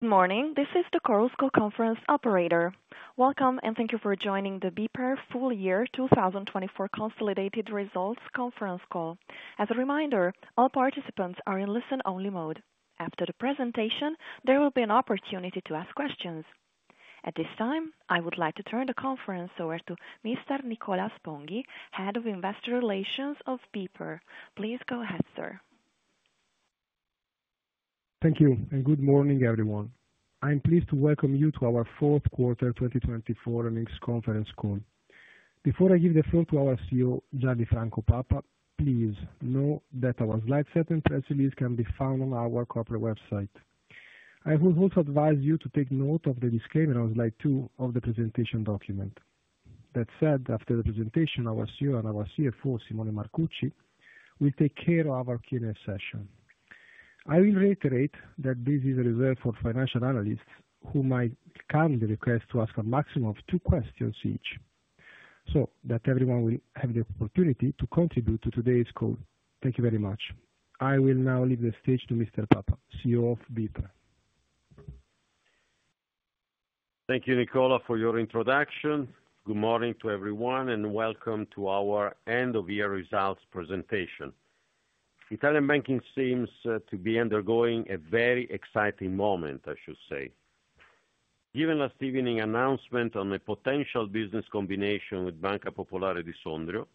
Good morning, this is the Chorus Call Conference Operator. Welcome and thank you for joining the BPER Full Year 2024 Consolidated Results Conference Call. As a reminder, all participants are in listen-only mode. After the presentation, there will be an opportunity to ask questions. At this time, I would like to turn the conference over to Mr. Nicola Sponghi, Head of Investor Relations of BPER. Please go ahead, sir. Thank you and good morning, everyone. I'm pleased to welcome you to our fourth quarter 2024 earnings conference call. Before I give the floor to our CEO, Gianni Franco Papa, please know that our slide set and press release can be found on our corporate website. I would also advise you to take note of the disclaimer on slide two of the presentation document. That said, after the presentation, our CEO and our CFO, Simone Marcucci, will take care of our Q&A session. I will reiterate that this is reserved for financial analysts who might kindly request to ask a maximum of two questions each, so that everyone will have the opportunity to contribute to today's call. Thank you very much. I will now leave the stage to Mr. Papa, CEO of BPER. Thank you, Nicola, for your introduction. Good morning to everyone and welcome to our end-of-year results presentation. Italian banking seems to be undergoing a very exciting moment, I should say. Given last evening's announcement on a potential business combination with Banca Popolare di Sondrio,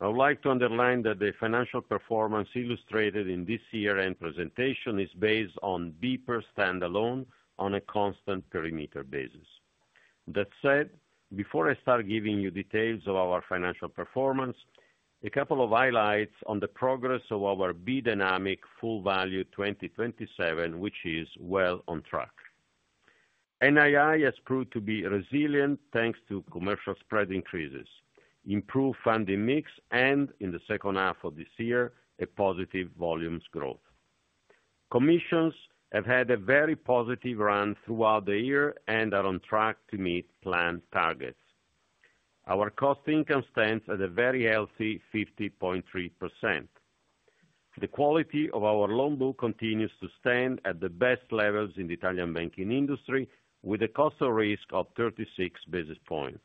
I would like to underline that the financial performance illustrated in this year-end presentation is based on BPER standalone on a constant perimeter basis. That said, before I start giving you details of our financial performance, a couple of highlights on the progress of our B-Dynamic Full Value 2027, which is well on track. NII has proved to be resilient thanks to commercial spread increases, improved funding mix, and in the second half of this year, a positive volumes growth. Commissions have had a very positive run throughout the year and are on track to meet planned targets. Our cost to income stands at a very healthy 50.3%. The quality of our loan book continues to stand at the best levels in the Italian banking industry, with a cost of risk of 36 basis points.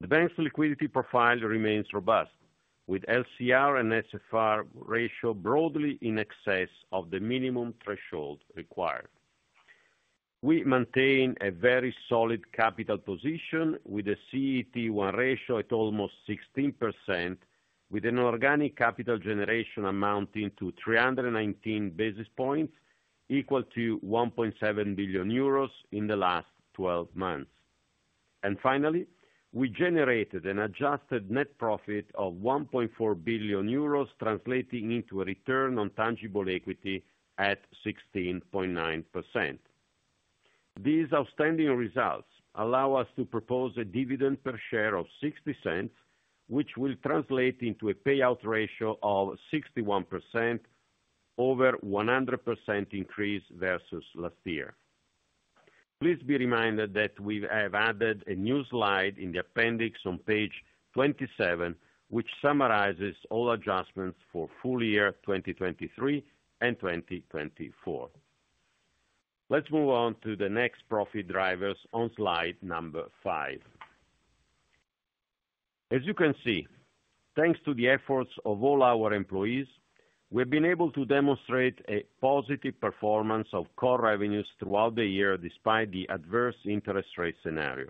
The bank's liquidity profile remains robust, with LCR and NSFR ratio broadly in excess of the minimum threshold required. We maintain a very solid capital position with a CET1 ratio at almost 16%, with an organic capital generation amounting to 319 basis points, equal to €1.7 billion in the last 12 months. Finally, we generated an adjusted net profit of €1.4 billion, translating into a return on tangible equity at 16.9%. These outstanding results allow us to propose a dividend per share of €0.60, which will translate into a payout ratio of 61%, over a 100% increase versus last year. Please be reminded that we have added a new slide in the appendix on page 27, which summarizes all adjustments for full year 2023 and 2024. Let's move on to the next profit drivers on slide number five. As you can see, thanks to the efforts of all our employees, we have been able to demonstrate a positive performance of core revenues throughout the year despite the adverse interest rate scenario.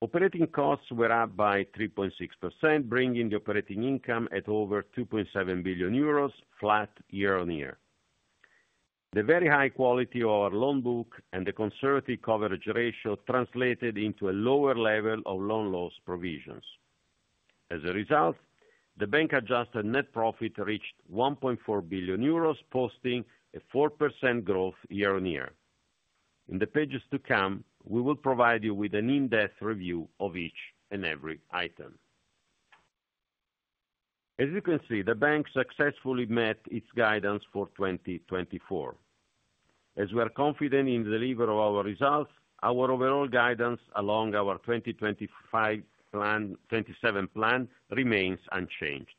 Operating costs were up by 3.6%, bringing the operating income at over 2.7 billion euros, flat year on year. The very high quality of our loan book and the conservative coverage ratio translated into a lower level of loan loss provisions. As a result, the bank-adjusted net profit reached 1.4 billion euros, posting a 4% growth year on year. In the pages to come, we will provide you with an in-depth review of each and every item. As you can see, the bank successfully met its guidance for 2024. As we are confident in the delivery of our results, our overall guidance along our 2025-27 plan remains unchanged.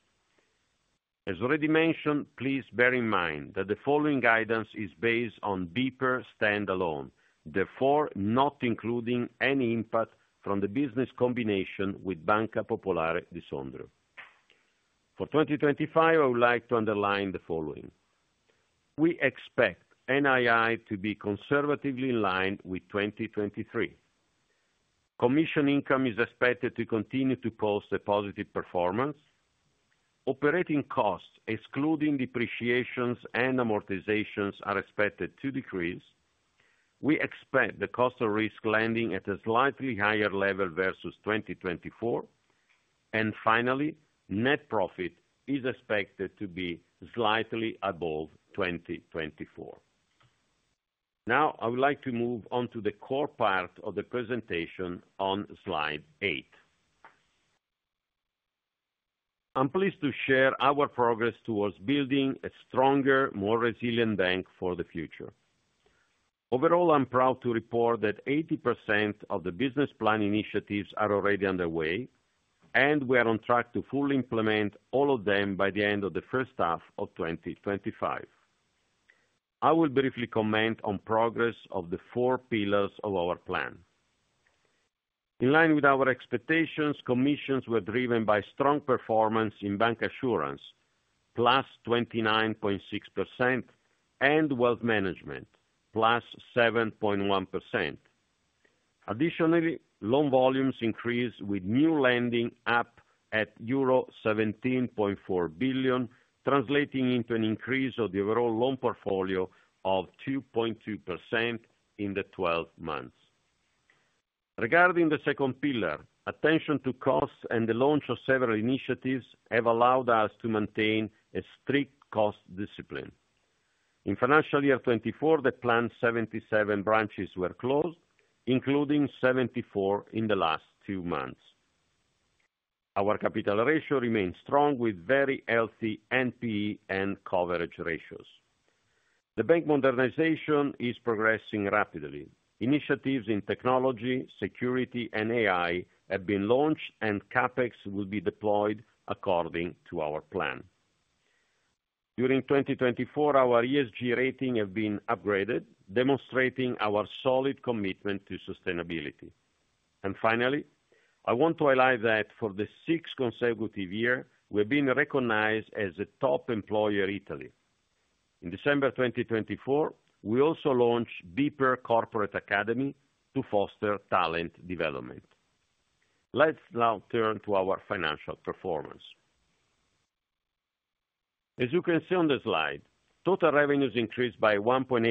As already mentioned, please bear in mind that the following guidance is based on BPER standalone, therefore not including any impact from the business combination with Banca Popolare di Sondrio. For 2025, I would like to underline the following: we expect NII to be conservatively in line with 2023. Commission income is expected to continue to post a positive performance. Operating costs, excluding depreciation and amortization, are expected to decrease. We expect the cost of risk landing at a slightly higher level versus 2024. And finally, net profit is expected to be slightly above 2024. Now, I would like to move on to the core part of the presentation on slide eight. I'm pleased to share our progress towards building a stronger, more resilient bank for the future. Overall, I'm proud to report that 80% of the business plan initiatives are already underway, and we are on track to fully implement all of them by the end of the first half of 2025. I will briefly comment on the progress of the four pillars of our plan. In line with our expectations, commissions were driven by strong performance in bank assurance, plus 29.6%, and wealth management, plus 7.1%. Additionally, loan volumes increased with new lending up at euro 17.4 billion, translating into an increase of the overall loan portfolio of 2.2% in the 12 months. Regarding the second pillar, attention to costs and the launch of several initiatives have allowed us to maintain a strict cost discipline. In financial year 2024, the planned 77 branches were closed, including 74 in the last two months. Our capital ratio remains strong with very healthy NPE and coverage ratios. The bank modernization is progressing rapidly. Initiatives in technology, security, and AI have been launched, and CapEx will be deployed according to our plan. During 2024, our ESG rating has been upgraded, demonstrating our solid commitment to sustainability. Finally, I want to highlight that for the sixth consecutive year, we have been recognized as a top employer in Italy. In December 2024, we also launched BPER Corporate Academy to foster talent development. Let's now turn to our financial performance. As you can see on the slide, total revenues increased by 1.8%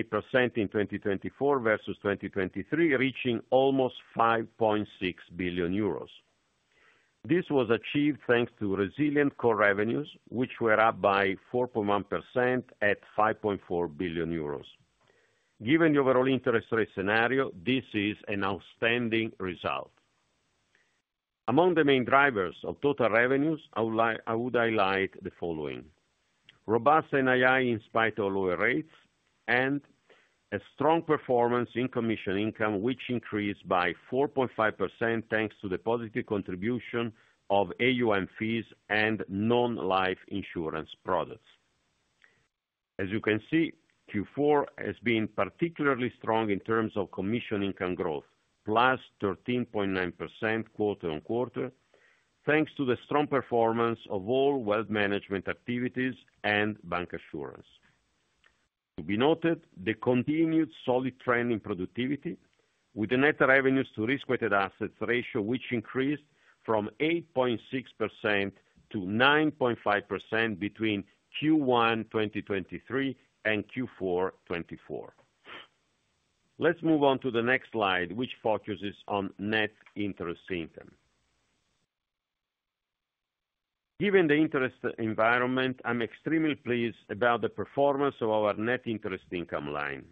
in 2024 versus 2023, reaching almost 5.6 billion euros. This was achieved thanks to resilient core revenues, which were up by 4.1% at 5.4 billion euros. Given the overall interest rate scenario, this is an outstanding result. Among the main drivers of total revenues, I would highlight the following: robust NII in spite of lower rates, and a strong performance in commission income, which increased by 4.5% thanks to the positive contribution of AUM fees and non-life insurance products. As you can see, Q4 has been particularly strong in terms of commission income growth, plus 13.9% quarter on quarter, thanks to the strong performance of all wealth management activities and bank assurance. To be noted, the continued solid trend in productivity, with the net revenues to risk-weighted assets ratio, which increased from 8.6% to 9.5% between Q1 2023 and Q4 2024. Let's move on to the next slide, which focuses on net interest income. Given the interest environment, I'm extremely pleased about the performance of our net interest income line.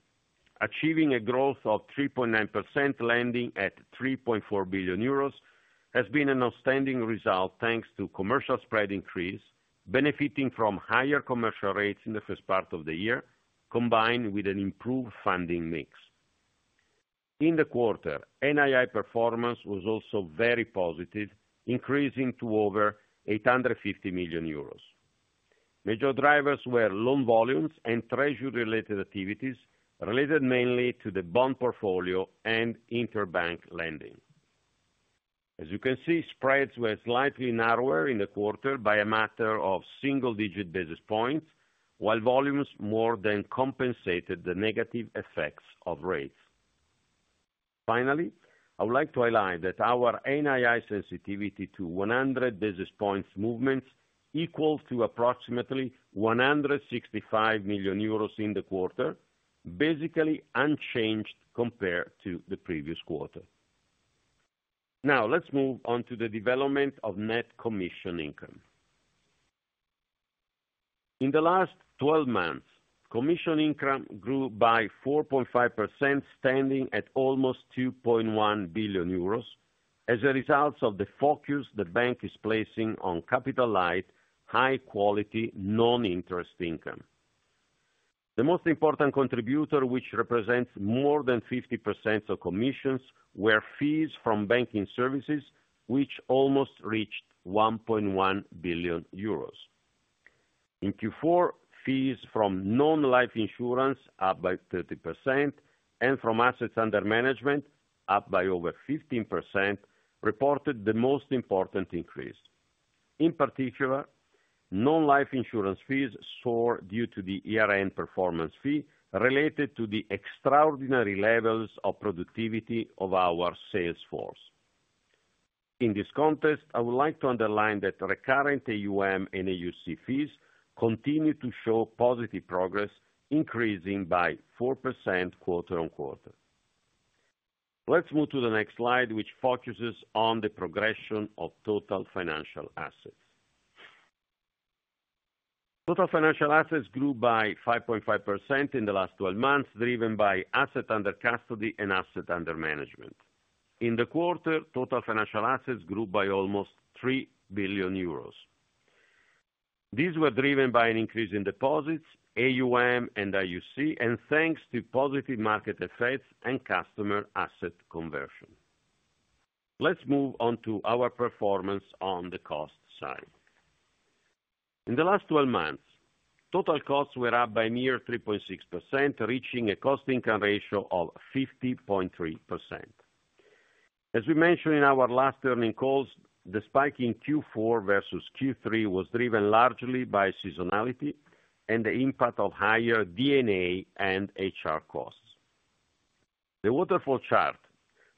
Achieving a growth of 3.9%, lending at €3.4 billion, has been an outstanding result thanks to commercial spread increase, benefiting from higher commercial rates in the first part of the year, combined with an improved funding mix. In the quarter, NII performance was also very positive, increasing to over €850 million. Major drivers were loan volumes and treasury-related activities, related mainly to the bond portfolio and interbank lending. As you can see, spreads were slightly narrower in the quarter by a matter of single-digit basis points, while volumes more than compensated the negative effects of rates. Finally, I would like to highlight that our NII sensitivity to 100 basis points movements equaled to approximately €165 million in the quarter, basically unchanged compared to the previous quarter. Now, let's move on to the development of net commission income. In the last 12 months, commission income grew by 4.5%, standing at almost €2.1 billion, as a result of the focus the bank is placing on capitalized high-quality non-interest income. The most important contributor, which represents more than 50% of commissions, were fees from banking services, which almost reached €1.1 billion. In Q4, fees from non-life insurance, up by 30%, and from assets under management, up by over 15%, reported the most important increase. In particular, non-life insurance fees soared due to the year-end performance fee related to the extraordinary levels of productivity of our sales force. In this context, I would like to underline that recurrent AUM and AUC fees continue to show positive progress, increasing by 4% quarter on quarter. Let's move to the next slide, which focuses on the progression of total financial assets. Total financial assets grew by 5.5% in the last 12 months, driven by assets under custody and assets under management. In the quarter, total financial assets grew by almost €3 billion. These were driven by an increase in deposits, AUM, and AUC, and thanks to positive market effects and customer asset conversion. Let's move on to our performance on the cost side. In the last 12 months, total costs were up by a mere 3.6%, reaching a cost to income ratio of 50.3%. As we mentioned in our last earnings calls, the spike in Q4 versus Q3 was driven largely by seasonality and the impact of higher D&A and HR costs. The waterfall chart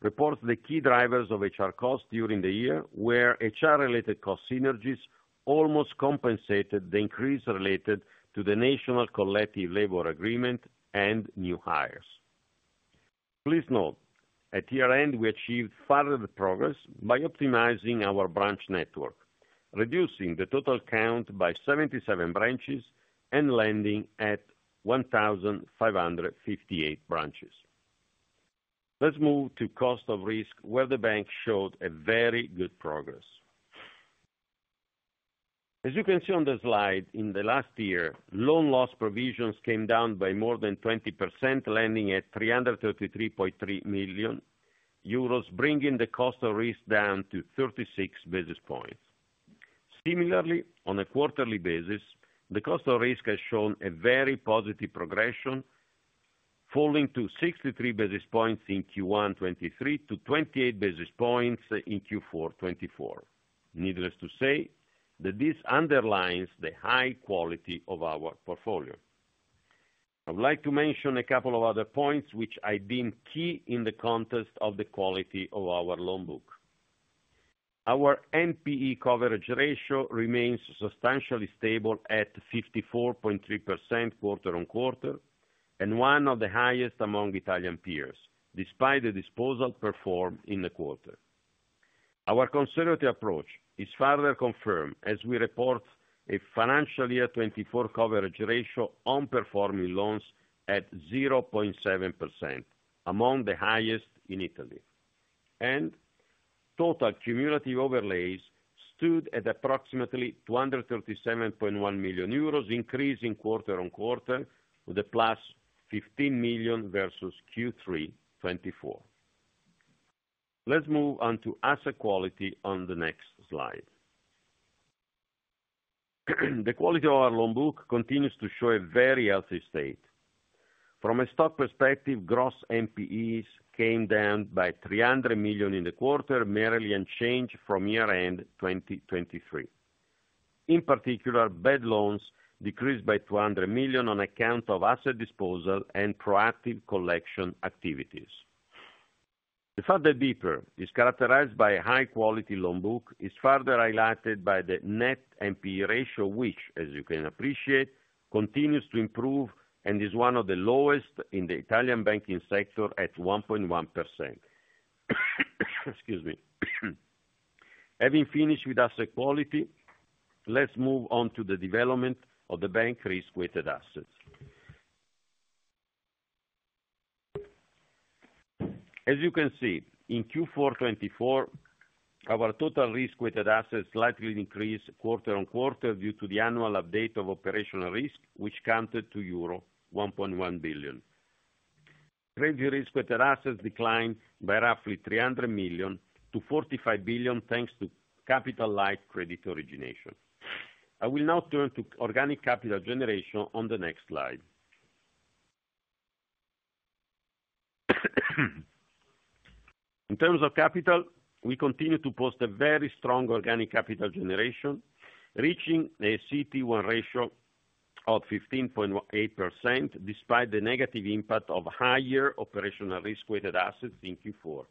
reports the key drivers of HR costs during the year, where HR-related cost synergies almost compensated the increase related to the national collective labor agreement and new hires. Please note, at year-end, we achieved further progress by optimizing our branch network, reducing the total count by 77 branches and lending at 1,558 branches. Let's move to cost of risk, where the bank showed very good progress. As you can see on the slide, in the last year, loan loss provisions came down by more than 20%, landing at € 333.3 million, bringing the cost of risk down to 36 basis points. Similarly, on a quarterly basis, the cost of risk has shown a very positive progression, falling to 63 basis points in Q1 2023 to 28 basis points in Q4 2024. Needless to say, that this underlines the high quality of our portfolio. I would like to mention a couple of other points which I deem key in the context of the quality of our loan book. Our NPE coverage ratio remains substantially stable at 54.3% quarter on quarter, and one of the highest among Italian peers, despite the disposal performed in the quarter. Our conservative approach is further confirmed as we report a financial year 2024 coverage ratio on performing loans at 0.7%, among the highest in Italy, and total cumulative overlays stood at approximately € 237.1 million, increasing quarter on quarter with a plus 15 million versus Q3 2024. Let's move on to asset quality on the next slide. The quality of our loan book continues to show a very healthy state. From a stock perspective, gross NPEs came down by 300 million in the quarter, merely unchanged from year-end 2023. In particular, bad loans decreased by 200 million on account of asset disposal and proactive collection activities. The fact that BPER is characterized by a high-quality loan book is further highlighted by the net NPE ratio, which, as you can appreciate, continues to improve and is one of the lowest in the Italian banking sector at 1.1%. Excuse me. Having finished with asset quality, let's move on to the development of the bank risk-weighted assets. As you can see, in Q4 2024, our total risk-weighted assets slightly increased quarter on quarter due to the annual update of operational risk, which contributed to euro 1.1 billion. Credit risk-weighted assets declined by roughly 300 million to 45 billion, thanks to capital-light credit origination. I will now turn to organic capital generation on the next slide. In terms of capital, we continue to post a very strong organic capital generation, reaching a CET1 ratio of 15.8%, despite the negative impact of higher operational risk-weighted assets in Q4.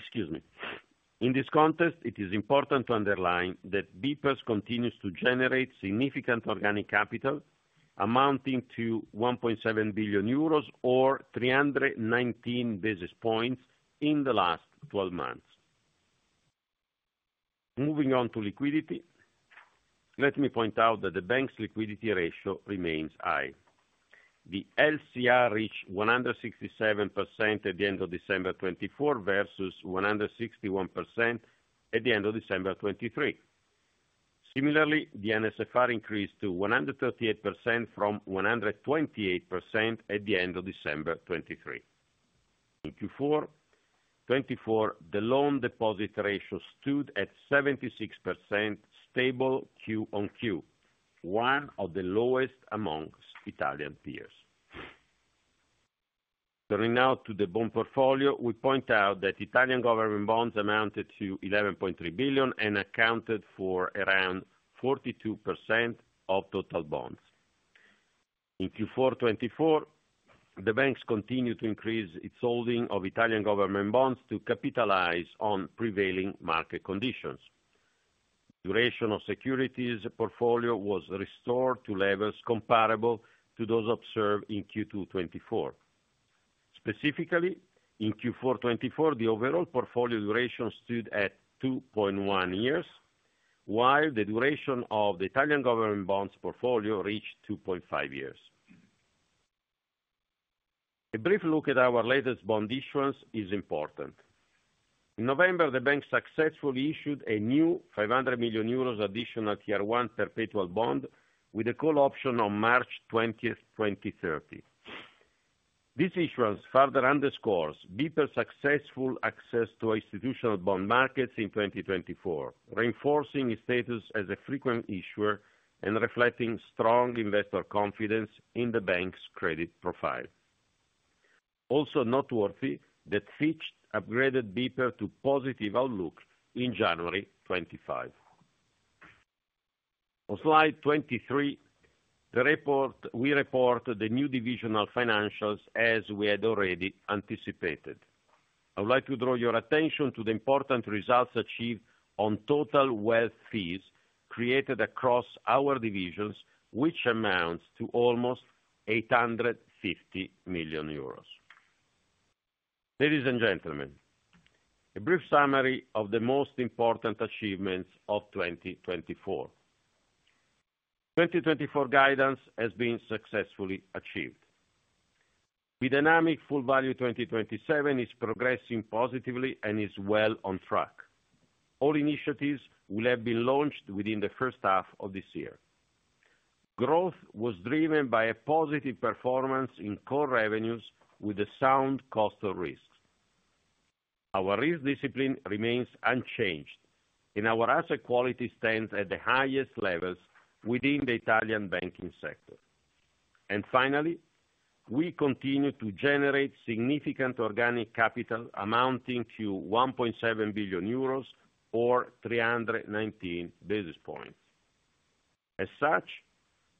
Excuse me. In this context, it is important to underline that BPER continues to generate significant organic capital, amounting to €1.7 billion or 319 basis points in the last 12 months. Moving on to liquidity, let me point out that the bank's liquidity ratio remains high. The LCR reached 167% at the end of December 2024 versus 161% at the end of December 2023. Similarly, the NSFR increased to 138% from 128% at the end of December 2023. In Q4, the loan deposit ratio stood at 76%, stable Q on Q, one of the lowest among Italian peers. Turning now to the bond portfolio, we point out that Italian government bonds amounted to €11.3 billion and accounted for around 42% of total bonds. In Q4 2024, the bank continued to increase its holding of Italian government bonds to capitalize on prevailing market conditions. The duration of securities portfolio was restored to levels comparable to those observed in Q2 2024. Specifically, in Q4 2024, the overall portfolio duration stood at 2.1 years, while the duration of the Italian government bonds portfolio reached 2.5 years. A brief look at our latest bond issuances is important. In November, the bank successfully issued a new 500 million euros Additional Tier 1 Perpetual Bond with a call option on March 20, 2030. This issuance further underscores BPER's successful access to institutional bond markets in 2024, reinforcing its status as a frequent issuer and reflecting strong investor confidence in the bank's credit profile. Also noteworthy that Fitch upgraded BPER to positive outlook in January 2025. On slide 23, we report the new divisional financials, as we had already anticipated. I would like to draw your attention to the important results achieved on total wealth fees created across our divisions, which amounts to almost 850 million euros. Ladies and gentlemen, a brief summary of the most important achievements of 2024. 2024 guidance has been successfully achieved. The dynamic full value 2027 is progressing positively and is well on track. All initiatives will have been launched within the first half of this year. Growth was driven by a positive performance in core revenues with a sound cost of risk. Our risk discipline remains unchanged, and our asset quality stands at the highest levels within the Italian banking sector. And finally, we continue to generate significant organic capital amounting to 1.7 billion euros or 319 basis points. As such,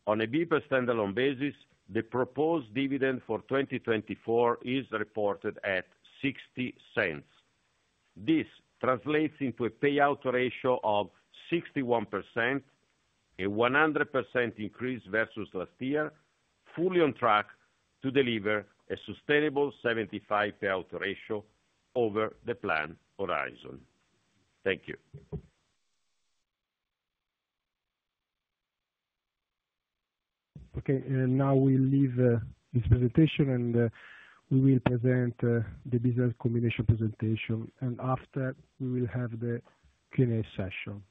on a BPER standalone basis, the proposed dividend for 2024 is reported at 0.60. This translates into a payout ratio of 61%, a 100% increase versus last year, fully on track to deliver a sustainable 75% payout ratio over the planned horizon. Thank you. Okay. And now we leave this presentation, and we will present the business combination presentation. And after, we will have the Q&A session.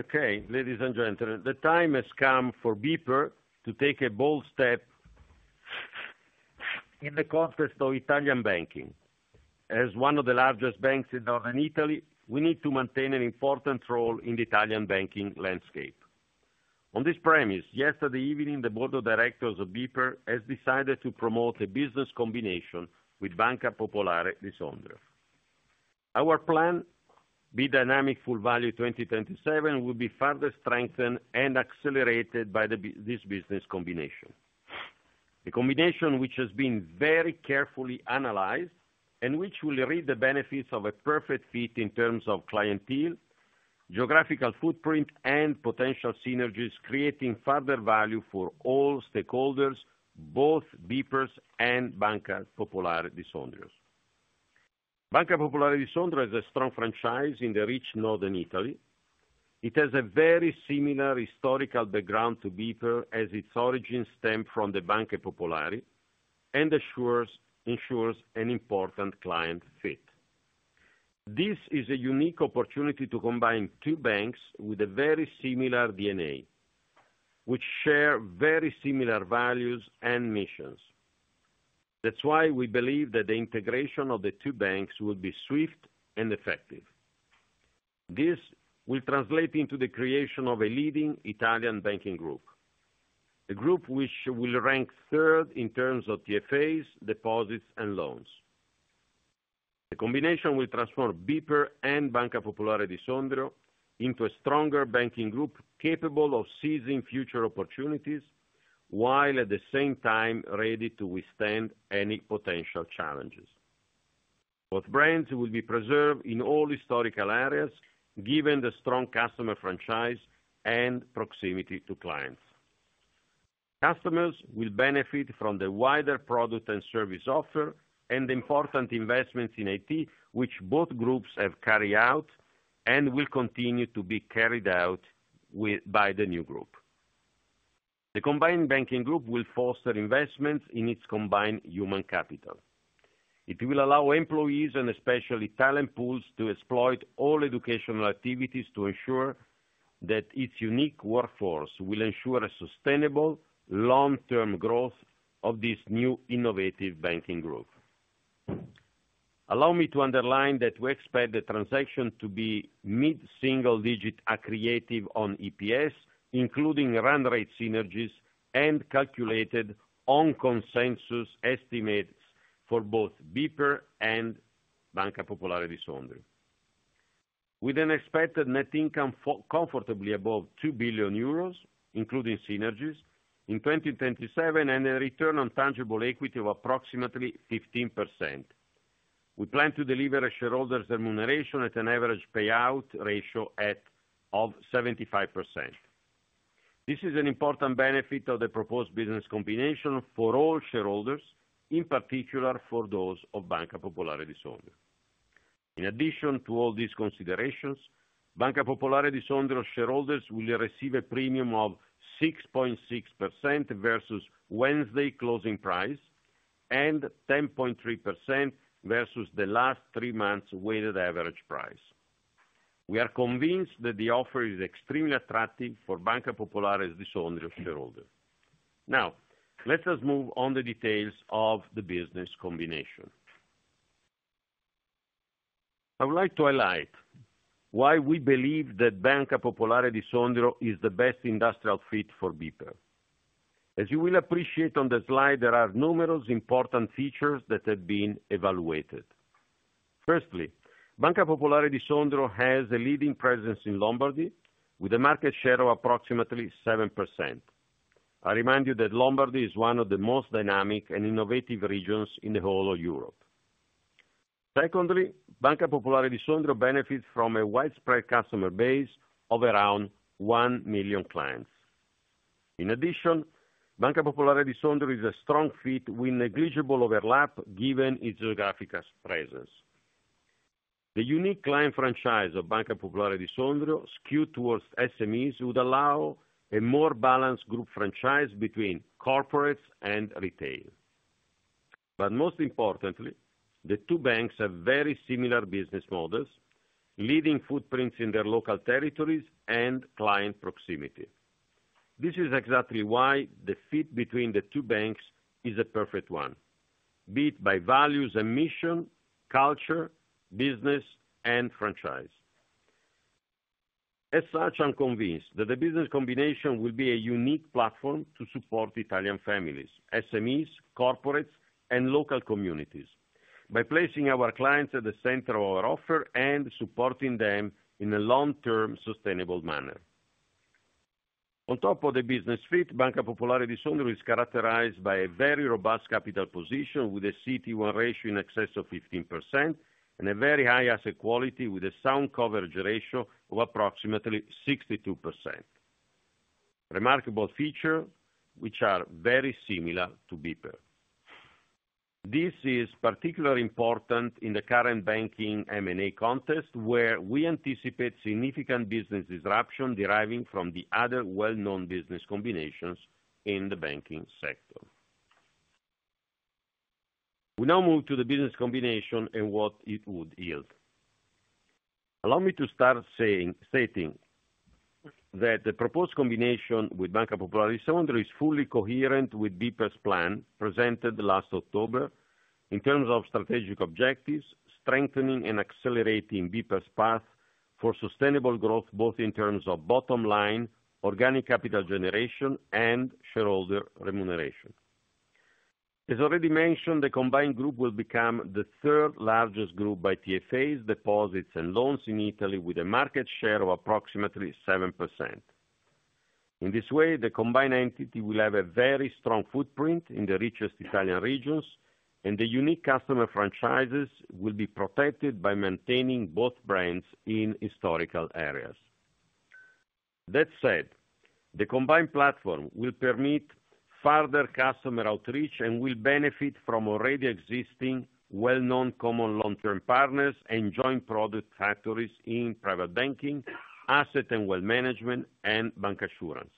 Okay. Ladies and gentlemen, the time has come for BPER to take a bold step in the context of Italian banking. As one of the largest banks in Northern Italy, we need to maintain an important role in the Italian banking landscape. On this premise, yesterday evening, the board of directors of BPER has decided to promote a business combination with Banca Popolare di Sondrio. Our plan, B-Dynamic Full Value 2027, will be further strengthened and accelerated by this business combination. A combination which has been very carefully analyzed and which will reap the benefits of a perfect fit in terms of clientele, geographical footprint, and potential synergies, creating further value for all stakeholders, both BPER's and Banca Popolare di Sondrio's. Banca Popolare di Sondrio has a strong franchise in the rich Northern Italy. It has a very similar historical background to BPER, as its origins stem from the Banca Popolare, and ensures an important client fit. This is a unique opportunity to combine two banks with a very similar DNA, which share very similar values and missions. That's why we believe that the integration of the two banks will be swift and effective. This will translate into the creation of a leading Italian banking group, a group which will rank third in terms of TFAs, deposits, and loans. The combination will transform BPER and Banca Popolare di Sondrio into a stronger banking group capable of seizing future opportunities, while at the same time ready to withstand any potential challenges. Both brands will be preserved in all historical areas, given the strong customer franchise and proximity to clients. Customers will benefit from the wider product and service offer and the important investments in IT, which both groups have carried out and will continue to be carried out by the new group. The combined banking group will foster investments in its combined human capital. It will allow employees and especially talent pools to exploit all educational activities to ensure that its unique workforce will ensure a sustainable long-term growth of this new innovative banking group. Allow me to underline that we expect the transaction to be mid-single digit accretive on EPS, including run rate synergies and calculated on consensus estimates for both BPER and Banca Popolare di Sondrio. We then expect a net income comfortably above 2 billion euros, including synergies, in 2027 and a return on tangible equity of approximately 15%. We plan to deliver a shareholders' remuneration at an average payout ratio of 75%. This is an important benefit of the proposed business combination for all shareholders, in particular for those of Banca Popolare di Sondrio. In addition to all these considerations, Banca Popolare di Sondrio shareholders will receive a premium of 6.6% versus Wednesday closing price and 10.3% versus the last three months' weighted average price. We are convinced that the offer is extremely attractive for Banca Popolare di Sondrio shareholders. Now, let us move on to the details of the business combination. I would like to highlight why we believe that Banca Popolare di Sondrio is the best industrial fit for BPER. As you will appreciate on the slide, there are numerous important features that have been evaluated. Firstly, Banca Popolare di Sondrio has a leading presence in Lombardy, with a market share of approximately 7%. I remind you that Lombardy is one of the most dynamic and innovative regions in the whole of Europe. Secondly, Banca Popolare di Sondrio benefits from a widespread customer base of around one million clients. In addition, Banca Popolare di Sondrio is a strong fit with negligible overlap given its geographical presence. The unique client franchise of Banca Popolare di Sondrio, skewed towards SMEs, would allow a more balanced group franchise between corporates and retail. But most importantly, the two banks have very similar business models, leading footprints in their local territories and client proximity. This is exactly why the fit between the two banks is a perfect one, be it by values and mission, culture, business, and franchise. As such, I'm convinced that the business combination will be a unique platform to support Italian families, SMEs, corporates, and local communities by placing our clients at the center of our offer and supporting them in a long-term sustainable manner. On top of the business fit, Banca Popolare di Sondrio is characterized by a very robust capital position with a CET1 ratio in excess of 15% and a very high asset quality with a sound coverage ratio of approximately 62%. Remarkable features, which are very similar to BPER. This is particularly important in the current banking M&A context, where we anticipate significant business disruption deriving from the other well-known business combinations in the banking sector. We now move to the business combination and what it would yield. Allow me to start stating that the proposed combination with Banca Popolare di Sondrio is fully coherent with BPER's plan presented last October in terms of strategic objectives, strengthening and accelerating BPER's path for sustainable growth, both in terms of bottom line, organic capital generation, and shareholder remuneration. As already mentioned, the combined group will become the third largest group by TFAs, deposits, and loans in Italy, with a market share of approximately 7%. In this way, the combined entity will have a very strong footprint in the richest Italian regions, and the unique customer franchises will be protected by maintaining both brands in historical areas. That said, the combined platform will permit further customer outreach and will benefit from already existing well-known common long-term partners and joint product factories in private banking, asset and wealth management, and bank assurance.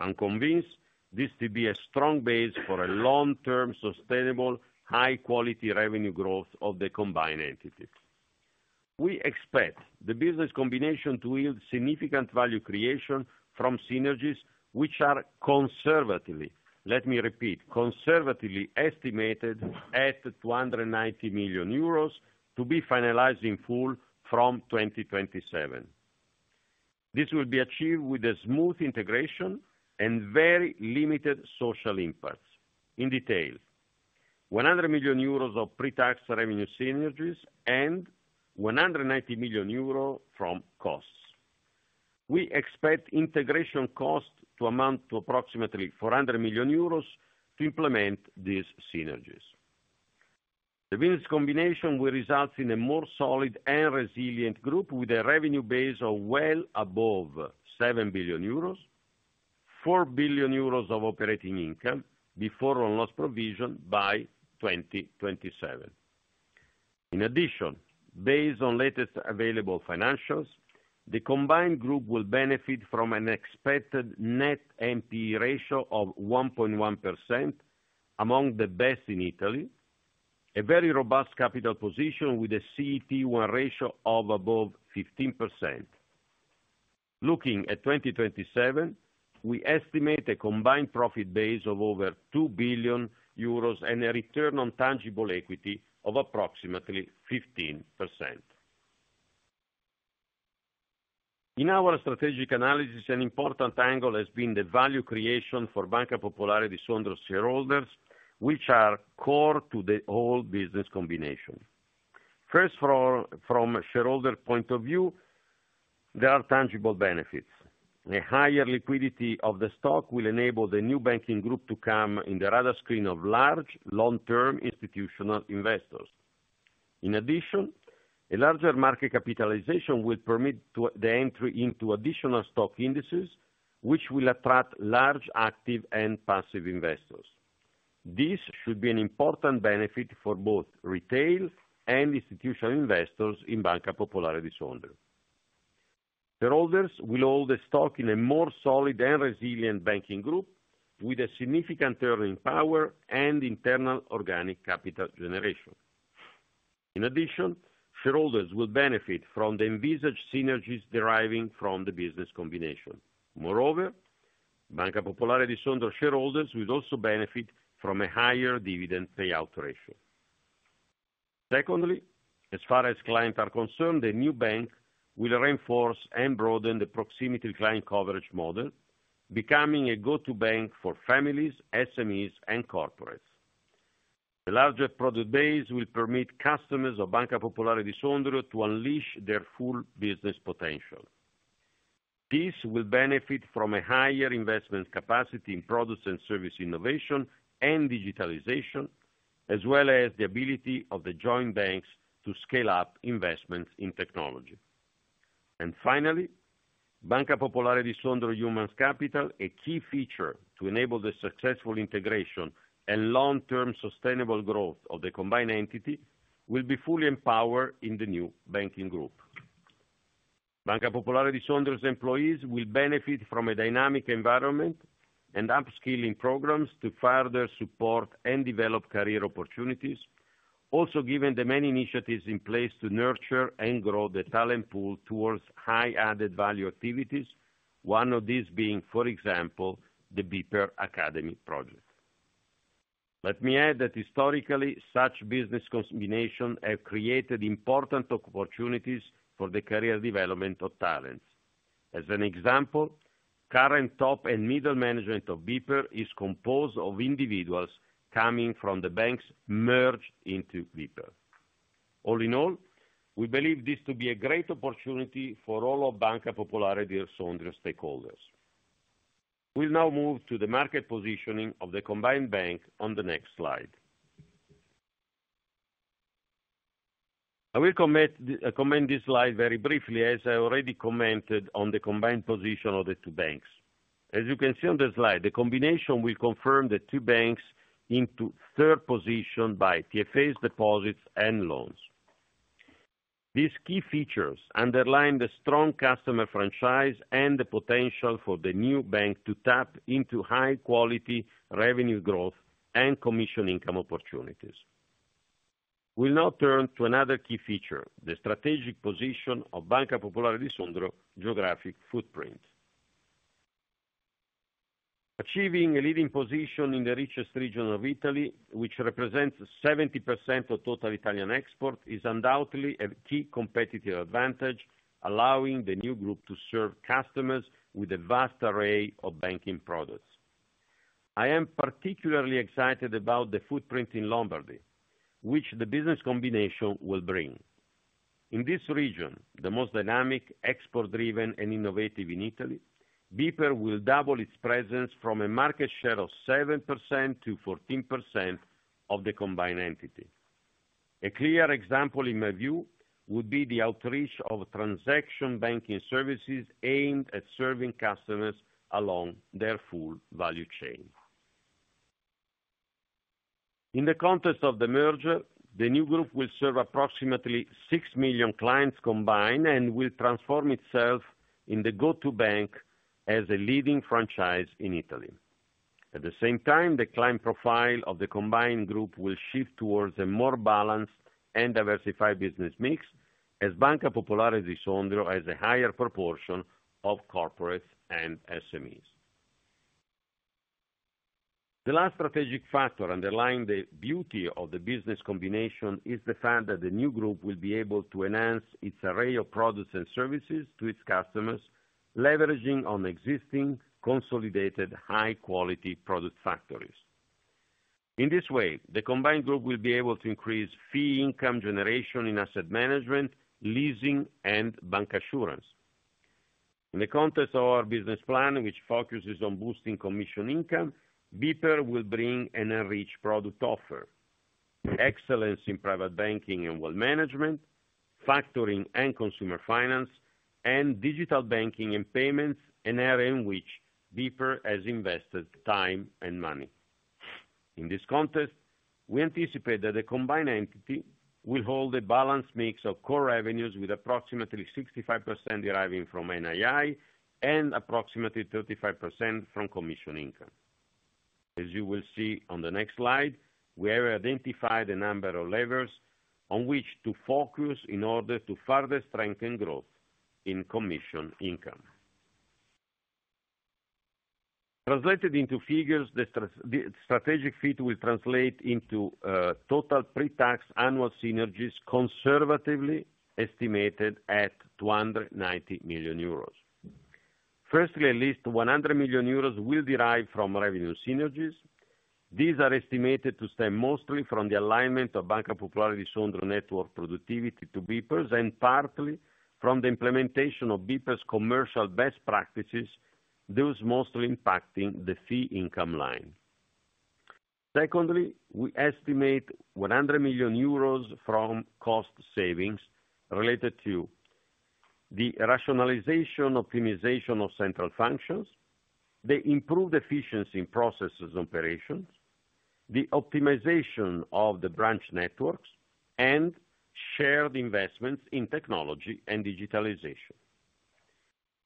I'm convinced this to be a strong base for a long-term sustainable, high-quality revenue growth of the combined entity. We expect the business combination to yield significant value creation from synergies, which are conservatively, let me repeat, conservatively estimated at 290 million euros to be finalized in full from 2027. This will be achieved with a smooth integration and very limited social impacts. In detail, 100 million euros of pre-tax revenue synergies and 190 million euros from costs. We expect integration costs to amount to approximately 400 million euros to implement these synergies. The business combination will result in a more solid and resilient group with a revenue base of well above 7 billion euros, 4 billion euros of operating income before loan loss provisions by 2027. In addition, based on latest available financials, the combined group will benefit from an expected net NPE ratio of 1.1% among the best in Italy, a very robust capital position with a CET1 ratio of above 15%. Looking at 2027, we estimate a combined profit base of over 2 billion euros and a return on tangible equity of approximately 15%. In our strategic analysis, an important angle has been the value creation for Banca Popolare di Sondrio shareholders, which are core to the whole business combination. First, from shareholder point of view, there are tangible benefits. A higher liquidity of the stock will enable the new banking group to come in the radar screen of large, long-term institutional investors. In addition, a larger market capitalization will permit the entry into additional stock indices, which will attract large active and passive investors. This should be an important benefit for both retail and institutional investors in Banca Popolare di Sondrio. Shareholders will hold the stock in a more solid and resilient banking group with a significant earning power and internal organic capital generation. In addition, shareholders will benefit from the envisaged synergies deriving from the business combination. Moreover, Banca Popolare di Sondrio shareholders will also benefit from a higher dividend payout ratio. Secondly, as far as clients are concerned, the new bank will reinforce and broaden the proximity client coverage model, becoming a go-to bank for families, SMEs, and corporates. The larger product base will permit customers of Banca Popolare di Sondrio to unleash their full business potential. This will benefit from a higher investment capacity in products and service innovation and digitalization, as well as the ability of the joint banks to scale up investments in technology. And finally, Banca Popolare di Sondrio human capital, a key feature to enable the successful integration and long-term sustainable growth of the combined entity, will be fully empowered in the new banking group. Banca Popolare di Sondrio's employees will benefit from a dynamic environment and upskilling programs to further support and develop career opportunities, also given the many initiatives in place to nurture and grow the talent pool towards high-added value activities, one of these being, for example, the BPER Academy project. Let me add that historically, such business combinations have created important opportunities for the career development of talents. As an example, current top and middle management of BPER is composed of individuals coming from the banks merged into BPER. All in all, we believe this to be a great opportunity for all of Banca Popolare di Sondrio stakeholders. We'll now move to the market positioning of the combined bank on the next slide. I will comment this slide very briefly, as I already commented on the combined position of the two banks. As you can see on the slide, the combination will confirm the two banks into third position by TFAs, deposits, and loans. These key features underline the strong customer franchise and the potential for the new bank to tap into high-quality revenue growth and commission income opportunities. We'll now turn to another key feature, the strategic position of Banca Popolare di Sondrio geographic footprint. Achieving a leading position in the richest region of Italy, which represents 70% of total Italian export, is undoubtedly a key competitive advantage, allowing the new group to serve customers with a vast array of banking products. I am particularly excited about the footprint in Lombardy, which the business combination will bring. In this region, the most dynamic, export-driven, and innovative in Italy, BPER will double its presence from a market share of 7% to 14% of the combined entity. A clear example, in my view, would be the outreach of transaction banking services aimed at serving customers along their full value chain. In the context of the merger, the new group will serve approximately 6 million clients combined and will transform itself in the go-to bank as a leading franchise in Italy. At the same time, the client profile of the combined group will shift towards a more balanced and diversified business mix, as Banca Popolare di Sondrio has a higher proportion of corporates and SMEs. The last strategic factor underlying the beauty of the business combination is the fact that the new group will be able to enhance its array of products and services to its customers, leveraging on existing consolidated high-quality product factories. In this way, the combined group will be able to increase fee income generation in asset management, leasing, and bank assurance. In the context of our business plan, which focuses on boosting commission income, BPER will bring an enriched product offer: excellence in private banking and wealth management, factoring and consumer finance, and digital banking and payments, an area in which BPER has invested time and money. In this context, we anticipate that the combined entity will hold a balanced mix of core revenues with approximately 65% deriving from NII and approximately 35% from commission income. As you will see on the next slide, we have identified a number of levers on which to focus in order to further strengthen growth in commission income. Translated into figures, the strategic fit will translate into total pre-tax annual synergies conservatively estimated at €290 million. Firstly, at least €100 million will derive from revenue synergies. These are estimated to stem mostly from the alignment of Banca Popolare di Sondrio network productivity to BPER's and partly from the implementation of BPER's commercial best practices, those mostly impacting the fee income line. Secondly, we estimate 100 million euros from cost savings related to the rationalization optimization of central functions, the improved efficiency in processes and operations, the optimization of the branch networks, and shared investments in technology and digitalization.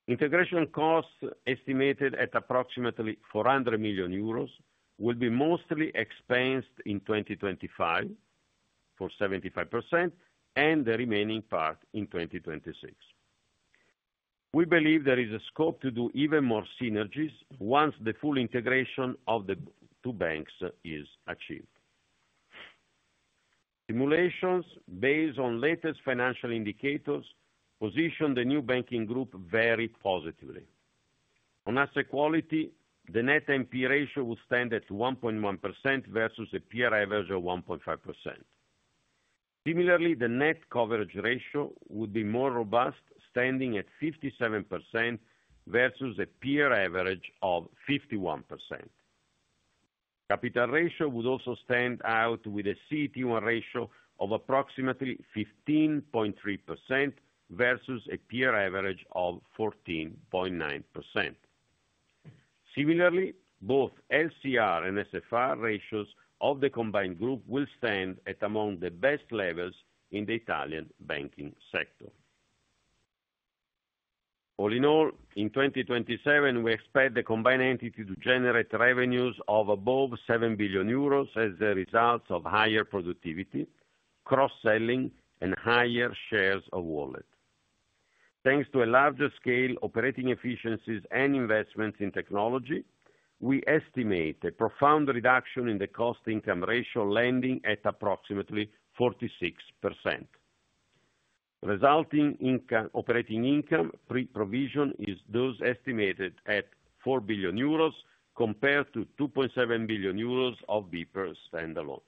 Integration costs estimated at approximately 400 million euros will be mostly expensed in 2025 for 75% and the remaining part in 2026. We believe there is a scope to do even more synergies once the full integration of the two banks is achieved. Simulations based on latest financial indicators position the new banking group very positively. On asset quality, the net NPE ratio would stand at 1.1% versus a peer average of 1.5%. Similarly, the net coverage ratio would be more robust, standing at 57% versus a peer average of 51%. Capital ratio would also stand out with a CET1 ratio of approximately 15.3% versus a peer average of 14.9%. Similarly, both LCR and SFR ratios of the combined group will stand at among the best levels in the Italian banking sector. All in all, in 2027, we expect the combined entity to generate revenues of above 7 billion euros as the result of higher productivity, cross-selling, and higher shares of wallet. Thanks to a larger scale operating efficiencies and investments in technology, we estimate a profound reduction in the cost income ratio landing at approximately 46%. Resulting operating income pre-provision is those estimated at 4 billion euros compared to 2.7 billion euros of BPER standalone.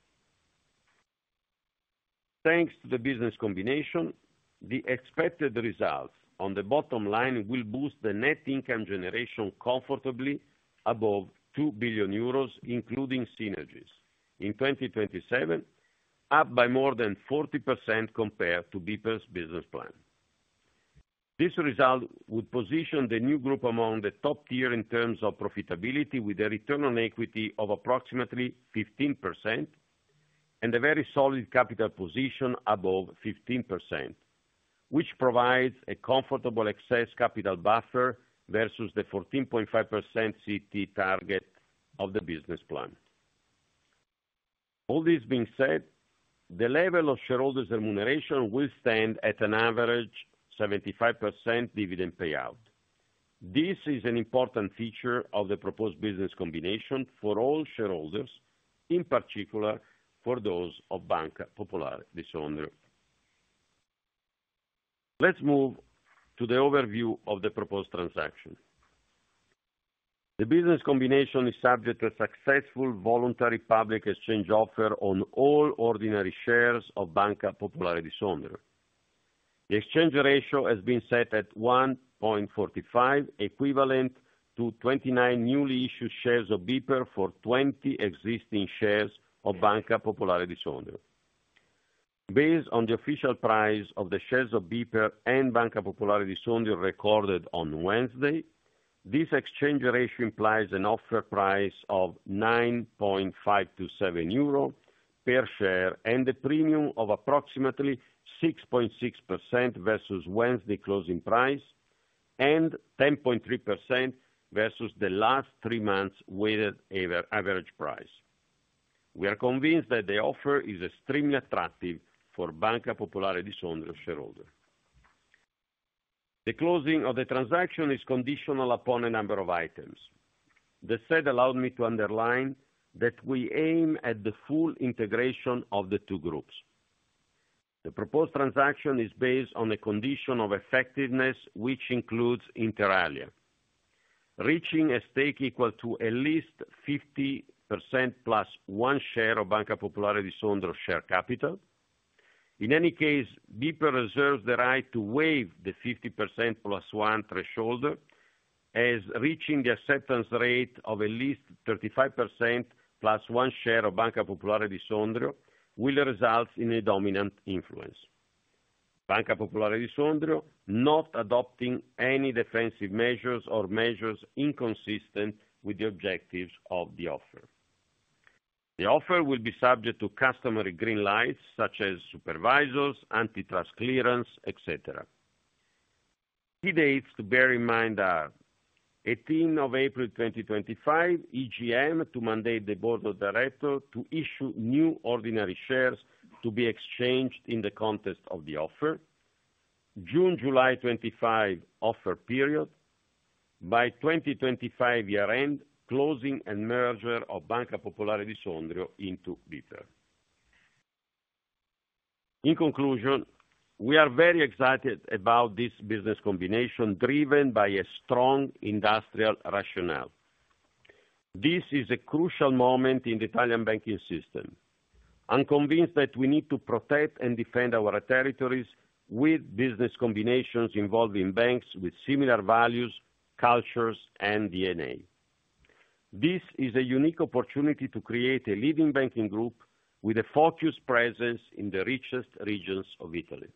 Thanks to the business combination, the expected results on the bottom line will boost the net income generation comfortably above 2 billion euros, including synergies, in 2027, up by more than 40% compared to BPER's business plan. This result would position the new group among the top tier in terms of profitability, with a return on equity of approximately 15% and a very solid capital position above 15%, which provides a comfortable excess capital buffer versus the 14.5% CET1 target of the business plan. All this being said, the level of shareholders' remuneration will stand at an average 75% dividend payout. This is an important feature of the proposed business combination for all shareholders, in particular for those of Banca Popolare di Sondrio. Let's move to the overview of the proposed transaction. The business combination is subject to a successful voluntary public exchange offer on all ordinary shares of Banca Popolare di Sondrio. The exchange ratio has been set at 1.45, equivalent to 29 newly issued shares of BPER for 20 existing shares of Banca Popolare di Sondrio. Based on the official price of the shares of BPER and Banca Popolare di Sondrio recorded on Wednesday, this exchange ratio implies an offer price of €9.527 per share and a premium of approximately 6.6% versus Wednesday closing price and 10.3% versus the last three months' weighted average price. We are convinced that the offer is extremely attractive for Banca Popolare di Sondrio shareholders. The closing of the transaction is conditional upon a number of items. That said allowed me to underline that we aim at the full integration of the two groups. The proposed transaction is based on a condition of effectiveness, which includes inter alia, reaching a stake equal to at least 50% plus one share of Banca Popolare di Sondrio share capital. In any case, BPER reserves the right to waive the 50% plus one threshold, as reaching the acceptance rate of at least 35% plus one share of Banca Popolare di Sondrio will result in a dominant influence. Banca Popolare di Sondrio not adopting any defensive measures or measures inconsistent with the objectives of the offer. The offer will be subject to customary green lights, such as supervisors, antitrust clearance, etc. Key dates to bear in mind are: 18 April 2025, EGM to mandate the board of directors to issue new ordinary shares to be exchanged in the context of the offer. June-July 2025 offer period. By 2025 year-end, closing and merger of Banca Popolare di Sondrio into BPER. In conclusion, we are very excited about this business combination driven by a strong industrial rationale. This is a crucial moment in the Italian banking system. I'm convinced that we need to protect and defend our territories with business combinations involving banks with similar values, cultures, and DNA. This is a unique opportunity to create a leading banking group with a focused presence in the richest regions of Italy.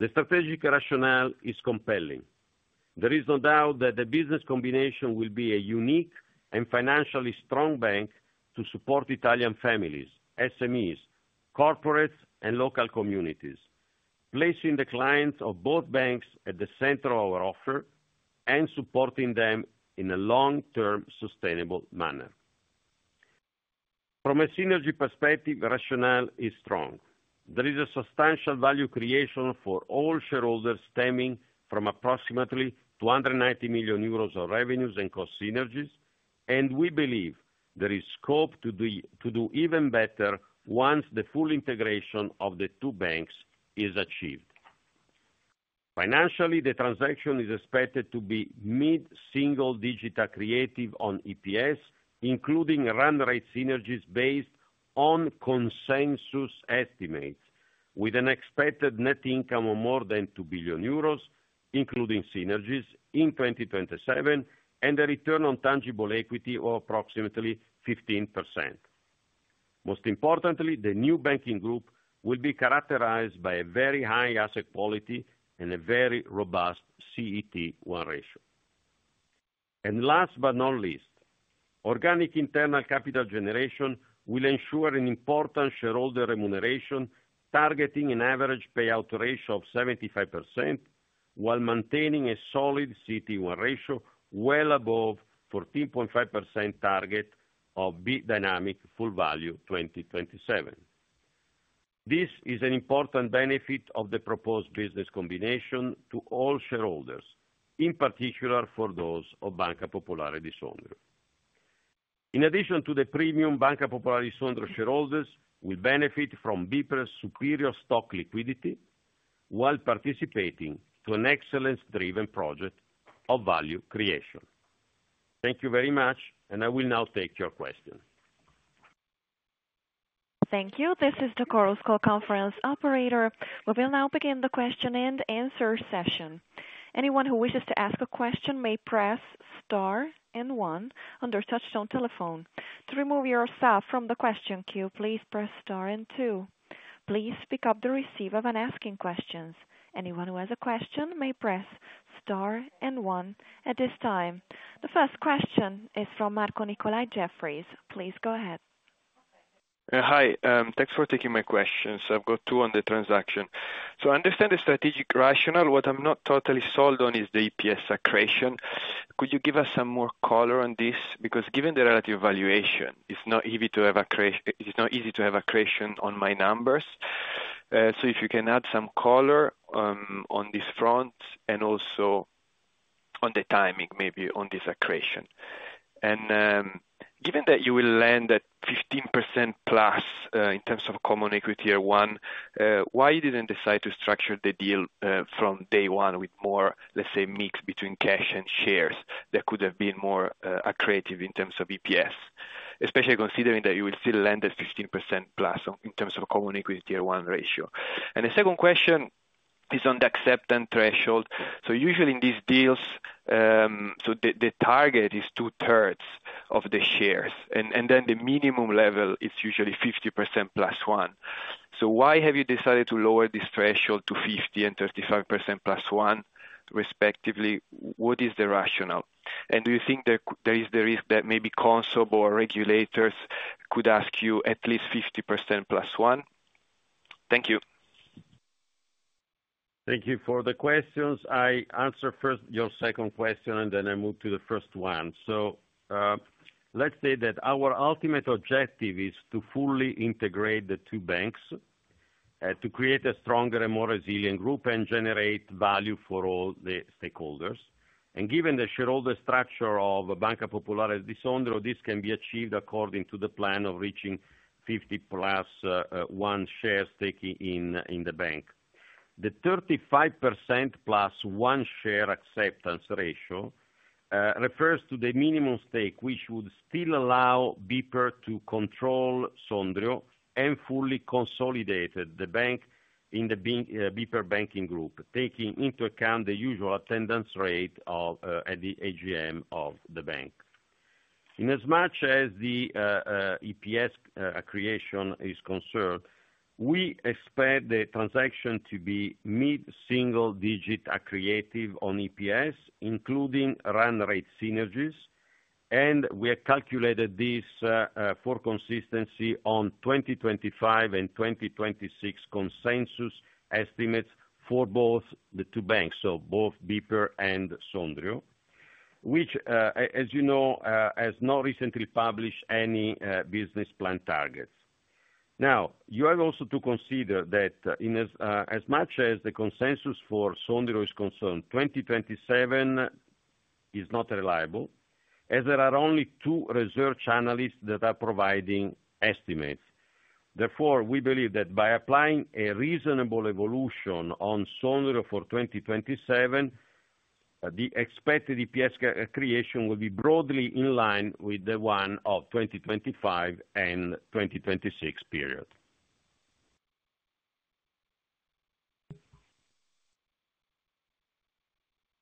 The strategic rationale is compelling. There is no doubt that the business combination will be a unique and financially strong bank to support Italian families, SMEs, corporates, and local communities, placing the clients of both banks at the center of our offer and supporting them in a long-term sustainable manner. From a synergy perspective, the rationale is strong. There is a substantial value creation for all shareholders stemming from approximately €290 million of revenues and cost synergies, and we believe there is scope to do even better once the full integration of the two banks is achieved. Financially, the transaction is expected to be mid-single digit creative on EPS, including run rate synergies based on consensus estimates, with an expected net income of more than €2 billion, including synergies, in 2027, and a return on tangible equity of approximately 15%. Most importantly, the new banking group will be characterized by a very high asset quality and a very robust CET1 ratio. And last but not least, organic internal capital generation will ensure an important shareholder remuneration targeting an average payout ratio of 75% while maintaining a solid CET1 ratio well above the 14.5% target of B-Dynamic Full Value 2027. This is an important benefit of the proposed business combination to all shareholders, in particular for those of Banca Popolare di Sondrio. In addition to the premium, Banca Popolare di Sondrio shareholders will benefit from BPER's superior stock liquidity while participating in an excellence-driven project of value creation. Thank you very much, and I will now take your questions. Thank you. This is the Chorus Call conference operator. We will now begin the question and answer session. Anyone who wishes to ask a question may press Star and One under Touch-Tone telephone. To remove yourself from the question queue, please press Star and Two. Please pick up the receiver when asking questions. Anyone who has a question may press Star and One at this time. The first question is from Marco Nicolai, Jefferies. Please go ahead. Hi. Thanks for taking my questions. I've got two on the transaction. So I understand the strategic rationale, what I'm not totally sold on is the EPS accretion. Could you give us some more color on this? Because given the relative valuation, it's not easy to have accretion on my numbers. So if you can add some color on this front and also on the timing, maybe on this accretion. And given that you will land at 15% plus in terms of Common Equity Tier 1, why didn't you decide to structure the deal from day one with more, let's say, mix between cash and shares that could have been more accretive in terms of EPS, especially considering that you will still land at 15% plus in terms of Common Equity Tier 1 ratio? And the second question is on the acceptance threshold. So usually in these deals, the target is two-thirds of the shares, and then the minimum level is usually 50% plus one. So why have you decided to lower this threshold to 50% and 35% plus one, respectively? What is the rationale? And do you think there is the risk that maybe Consob or regulators could ask you at least 50% plus one? Thank you. Thank you for the questions. I answer first your second question, and then I move to the first one. So let's say that our ultimate objective is to fully integrate the two banks to create a stronger and more resilient group and generate value for all the stakeholders. And given the shareholder structure of Banca Popolare di Sondrio, this can be achieved according to the plan of reaching 50% plus one shares taken in the bank. The 35% plus one share acceptance ratio refers to the minimum stake, which would still allow BPER to control Sondrio and fully consolidate the bank in the BPER banking group, taking into account the usual attendance rate at the AGM of the bank. Inasmuch as the EPS accretion is concerned, we expect the transaction to be mid-single digit accretive on EPS, including run rate synergies, and we have calculated this for consistency on 2025 and 2026 consensus estimates for both the two banks, so both BPER and Sondrio, which, as you know, has not recently published any business plan targets. Now, you have also to consider that inasmuch as the consensus for Sondrio is concerned, 2027 is not reliable, as there are only two research analysts that are providing estimates. Therefore, we believe that by applying a reasonable evolution on Sondrio for 2027, the expected EPS accretion will be broadly in line with the one of 2025 and 2026 period.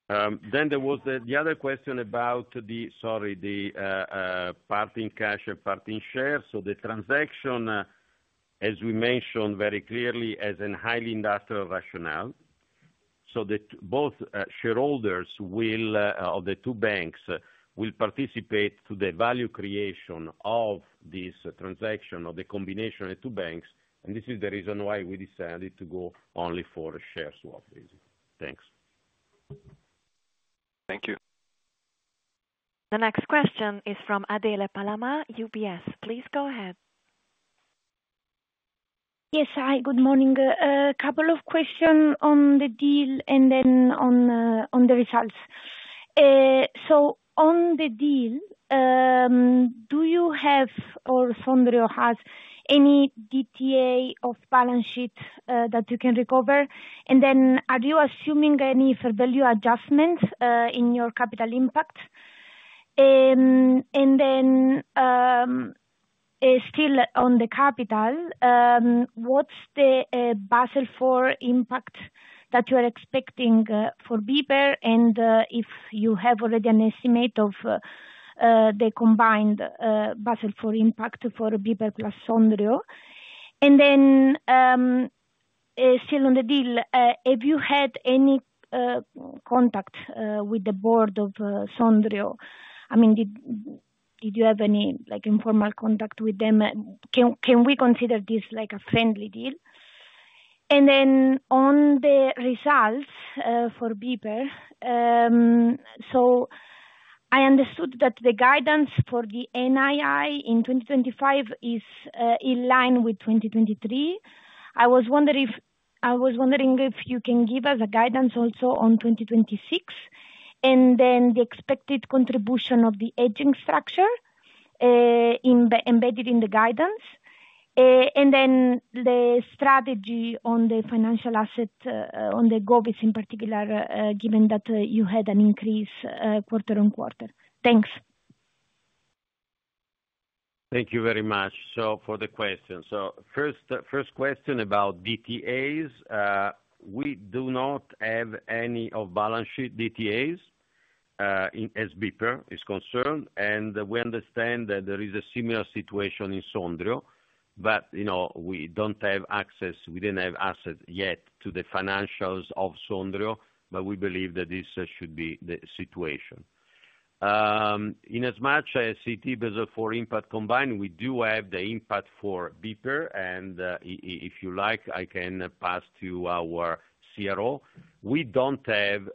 Then there was the other question about the, sorry, the part in cash and part in shares. So the transaction, as we mentioned very clearly, has a highly industrial rationale. So that both shareholders of the two banks will participate to the value creation of this transaction of the combination of the two banks. And this is the reason why we decided to go only for shares swap. Thanks. Thank you. The next question is from Adele Palama, UBS. Please go ahead. Yes, hi. Good morning. A couple of questions on the deal and then on the results. So on the deal, do you have, or Sondrio has, any DTA of balance sheet that you can recover? And then are you assuming any value adjustments in your capital impact? And then still on the capital, what's the Basel IV impact that you are expecting for BPER? And if you have already an estimate of the combined Basel IV impact for BPER plus Sondrio? And then still on the deal, have you had any contact with the board of Sondrio? I mean, did you have any informal contact with them? Can we consider this like a friendly deal? And then on the results for BPER, so I understood that the guidance for the NII in 2025 is in line with 2023. I was wondering if you can give us a guidance also on 2026, and then the expected contribution of the hedging structure embedded in the guidance, and then the strategy on the financial asset, on the Govies in particular, given that you had an increase quarter on quarter. Thanks. Thank you very much. For the questions, the first question about DTAs, we do not have any off-balance-sheet DTAs as BPER is concerned. And we understand that there is a similar situation in Sondrio, but we don't have access, we didn't have access yet to the financials of Sondrio, but we believe that this should be the situation. Inasmuch as it is a four-impact combined, we do have the impact for BPER. And if you like, I can pass to our CRO. We don't have,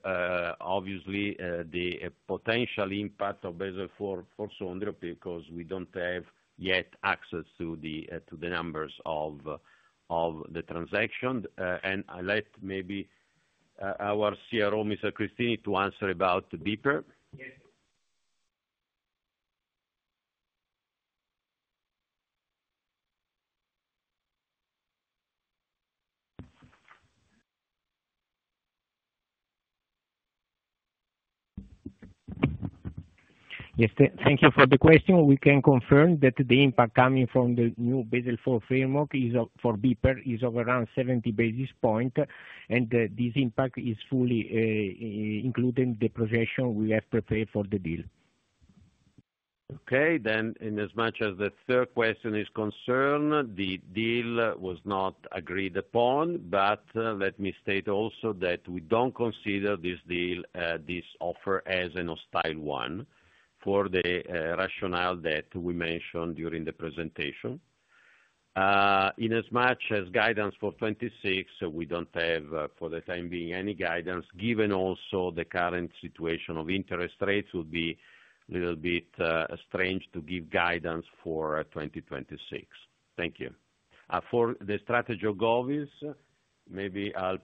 obviously, the potential impact of Basel IV for Sondrio because we don't have yet access to the numbers of the transaction. I'll let maybe our CRO, Mr. Cristini, to answer about BPER. Yes. Yes. Thank you for the question. We can confirm that the impact coming from the new Basel IV framework for BPER is of around 70 basis points, and this impact is fully including the projection we have prepared for the deal. Okay. Then inasmuch as the third question is concerned, the deal was not agreed upon, but let me state also that we don't consider this deal, this offer as a hostile one for the rationale that we mentioned during the presentation. In as much as guidance for '26, we don't have, for the time being, any guidance, given also the current situation of interest rates would be a little bit strange to give guidance for 2026. Thank you. For the strategy of Govies, maybe I'll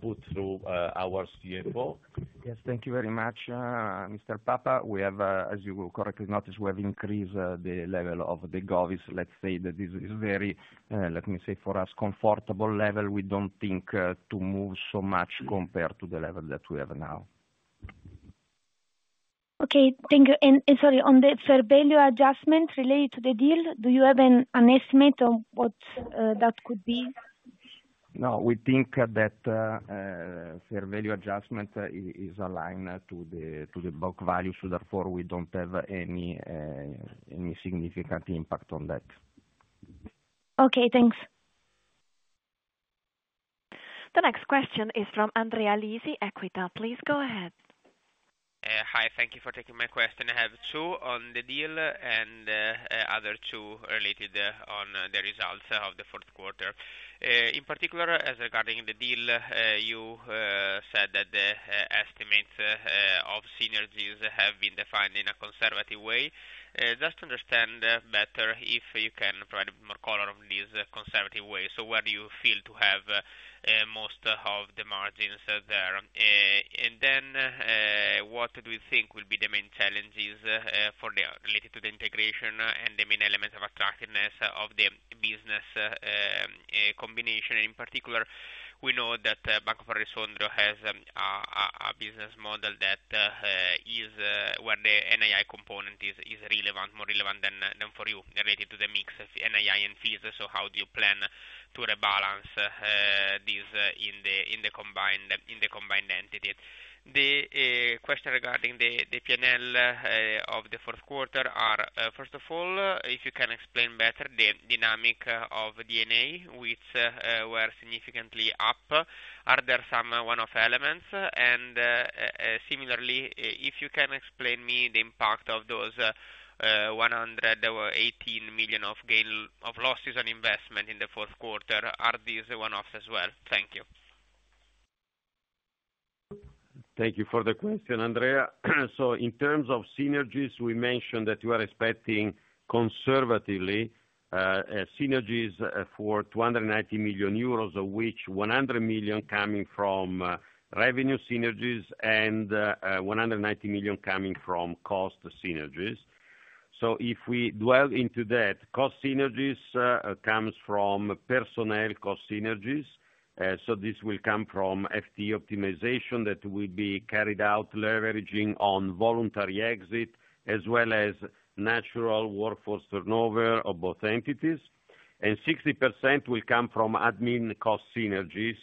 put through our CFO. Yes. Thank you very much, Mr. Papa. We have, as you correctly noticed, we have increased the level of the Govies. Let's say that this is very, let me say, for us, comfortable level. We don't think to move so much compared to the level that we have now. Okay. Thank you. And sorry, on the fair value adjustment related to the deal, do you have an estimate on what that could be? No. We think that fair value adjustment is aligned to the book value. So therefore, we don't have any significant impact on that. Okay. Thanks. The next question is from Andrea Lizzi, Equita. Please go ahead. Hi. Thank you for taking my question. I have two on the deal and other two related on the results of the fourth quarter. In particular, as regarding the deal, you said that the estimates of synergies have been defined in a conservative way. Just to understand better, if you can provide a bit more color on this conservative way, so where do you feel to have most of the margins there? And then what do you think will be the main challenges related to the integration and the main elements of attractiveness of the business combination? In particular, we know that Banca Popolare di Sondrio has a business model that is where the NII component is relevant, more relevant than for you related to the mix of NII and FIS. So how do you plan to rebalance this in the combined entity? The question regarding the P&L of the fourth quarter are, first of all, if you can explain better the dynamic of DNA, which were significantly up. Are there some one-off elements? And similarly, if you can explain me the impact of those 118 million of losses on investment in the fourth quarter, are these one-offs as well? Thank you. Thank you for the question, Andrea. So in terms of synergies, we mentioned that you are expecting conservatively synergies for 290 million euros, of which 100 million coming from revenue synergies and 190 million coming from cost synergies. So if we dwell into that, cost synergies comes from personnel cost synergies. So this will come from FTE optimization that will be carried out, leveraging on voluntary exit, as well as natural workforce turnover of both entities. 60% will come from admin cost synergies,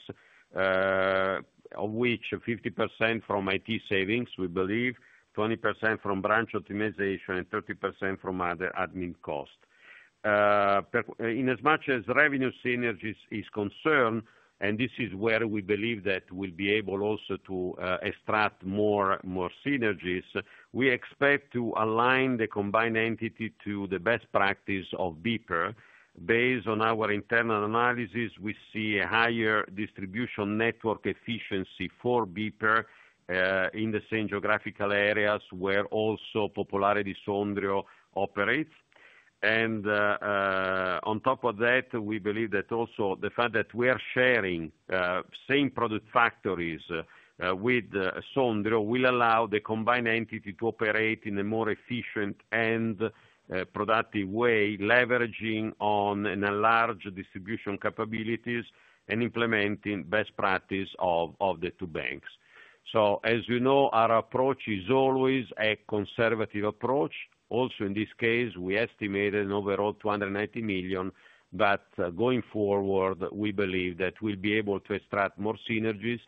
of which 50% from IT savings, we believe, 20% from branch optimization, and 30% from other admin costs. Inasmuch as revenue synergies is concerned, and this is where we believe that we'll be able also to extract more synergies, we expect to align the combined entity to the best practice of BPER. Based on our internal analysis, we see a higher distribution network efficiency for BPER in the same geographical areas where also Popolare di Sondrio operates. On top of that, we believe that also the fact that we are sharing same product factories with Sondrio will allow the combined entity to operate in a more efficient and productive way, leveraging on large distribution capabilities and implementing best practice of the two banks. As you know, our approach is always a conservative approach. Also in this case, we estimated overall 290 million, but going forward, we believe that we'll be able to extract more synergies.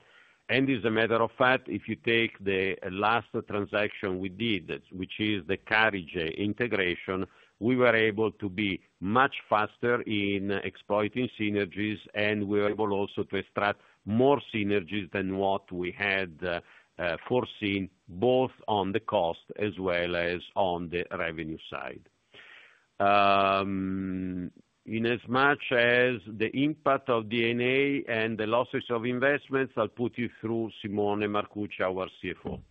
And as a matter of fact, if you take the last transaction we did, which is the Carige integration, we were able to be much faster in exploiting synergies, and we were able also to extract more synergies than what we had foreseen, both on the cost as well as on the revenue side. Inasmuch as the impact of DNA and the losses of investments, I'll put you through Simone Marcucci, our CFO.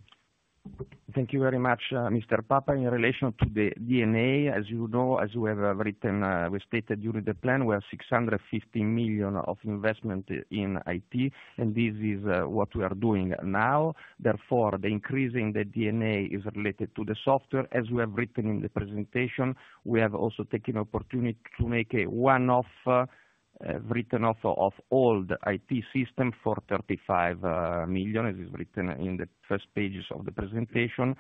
Thank you very much, Mr. Papa. In relation to the DNA, as you know, as we have written, we stated during the plan, we have 650 million of investment in IT, and this is what we are doing now. Therefore, the increase in the DNA is related to the software. As we have written in the presentation, we have also taken the opportunity to make a one-off write-off of old IT system for 35 million, as is written in the first pages of the presentation.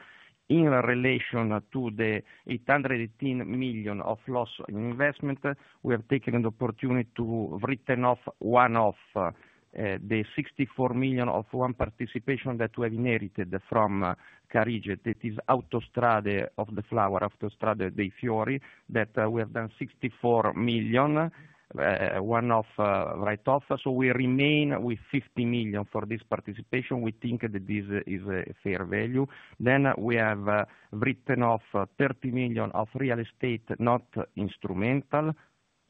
In relation to the 818 million of loss in investment, we have taken the opportunity to write off one-off the 64 million of one participation that we have inherited from Carige, that is Autostrade of the flower, Autostrade dei Fiori, that we have done 64 million one-off write-off. So we remain with 50 million for this participation. We think that this is a fair value. Then we have written off 30 million of real estate, not instrumental.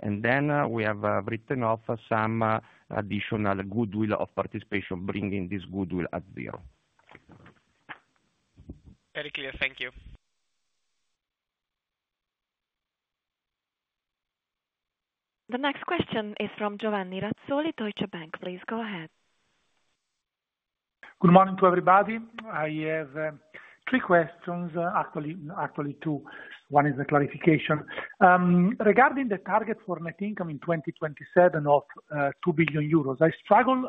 And then we have written off some additional goodwill of participation, bringing this goodwill at zero. Very clear. Thank you. The next question is from Giovanni Razzoli, Deutsche Bank. Please go ahead. Good morning to everybody. I have three questions, actually two. One is a clarification. Regarding the target for net income in 2027 of 2 billion euros, I struggle,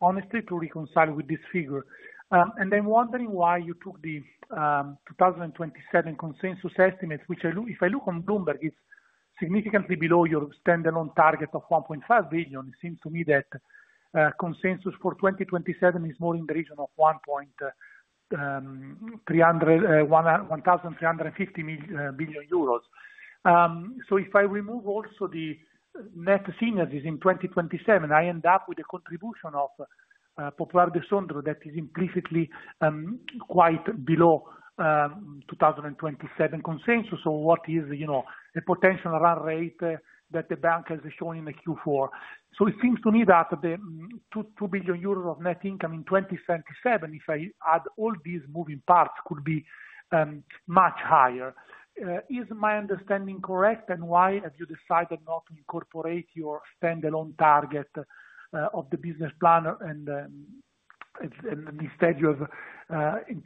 honestly, to reconcile with this figure, and I'm wondering why you took the 2027 consensus estimate, which if I look on Bloomberg, it's significantly below your standalone target of 1.5 billion EUR. It seems to me that consensus for 2027 is more in the region of 1,350 million euros, so if I remove also the net synergies in 2027, I end up with a contribution of Popolare di Sondrio that is implicitly quite below 2027 consensus, so what is the potential run rate that the bank has shown in the Q4, so it seems to me that the 2 billion euros of net income in 2027, if I add all these moving parts, could be much higher. Is my understanding correct, and why have you decided not to incorporate your standalone target of the business plan and instead you have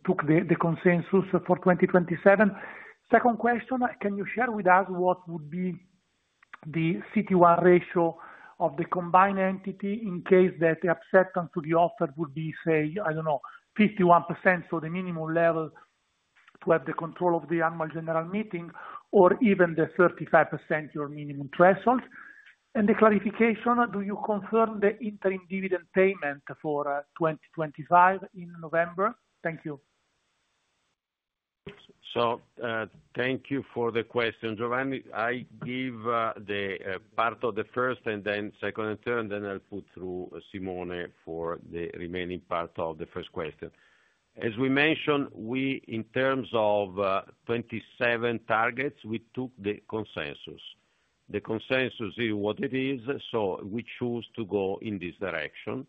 took the consensus for 2027? Second question, can you share with us what would be the CET1 ratio of the combined entity in case that the acceptance to the offer would be, say, I don't know, 51%, so the minimum level to have the control of the annual general meeting, or even the 35%, your minimum threshold? And the clarification, do you confirm the interim dividend payment for 2025 in November? Thank you. So thank you for the question. Giovanni, I give the part of the first and then second and third, and then I'll put through Simone for the remaining part of the first question. As we mentioned, we, in terms of 27 targets, we took the consensus. The consensus is what it is, so we choose to go in this direction.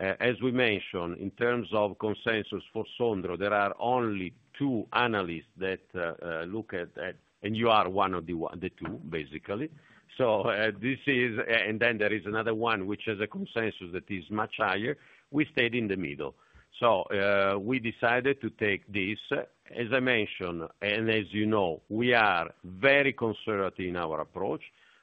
As we mentioned, in terms of consensus for Sondrio, there are only two analysts that look at, and you are one of the two, basically. So this is, and then there is another one, which has a consensus that is much higher. We stayed in the middle. So we decided to take this. As I mentioned, and as you know, we are very conservative in our approach.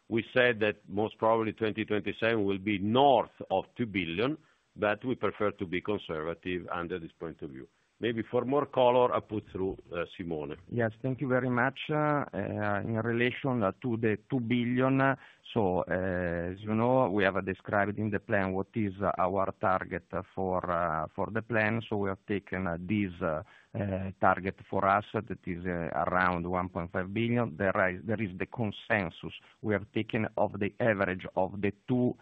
We said that most probably 2027 will be north of 2 billion, but we prefer to be conservative under this point of view. Maybe for more color, I'll put through Simone. Yes. Thank you very much. In relation to the 2 billion, so as you know, we have described in the plan what is our target for the plan. So we have taken this target for us that is around 1.5 billion. There is the consensus we have taken of the average of the two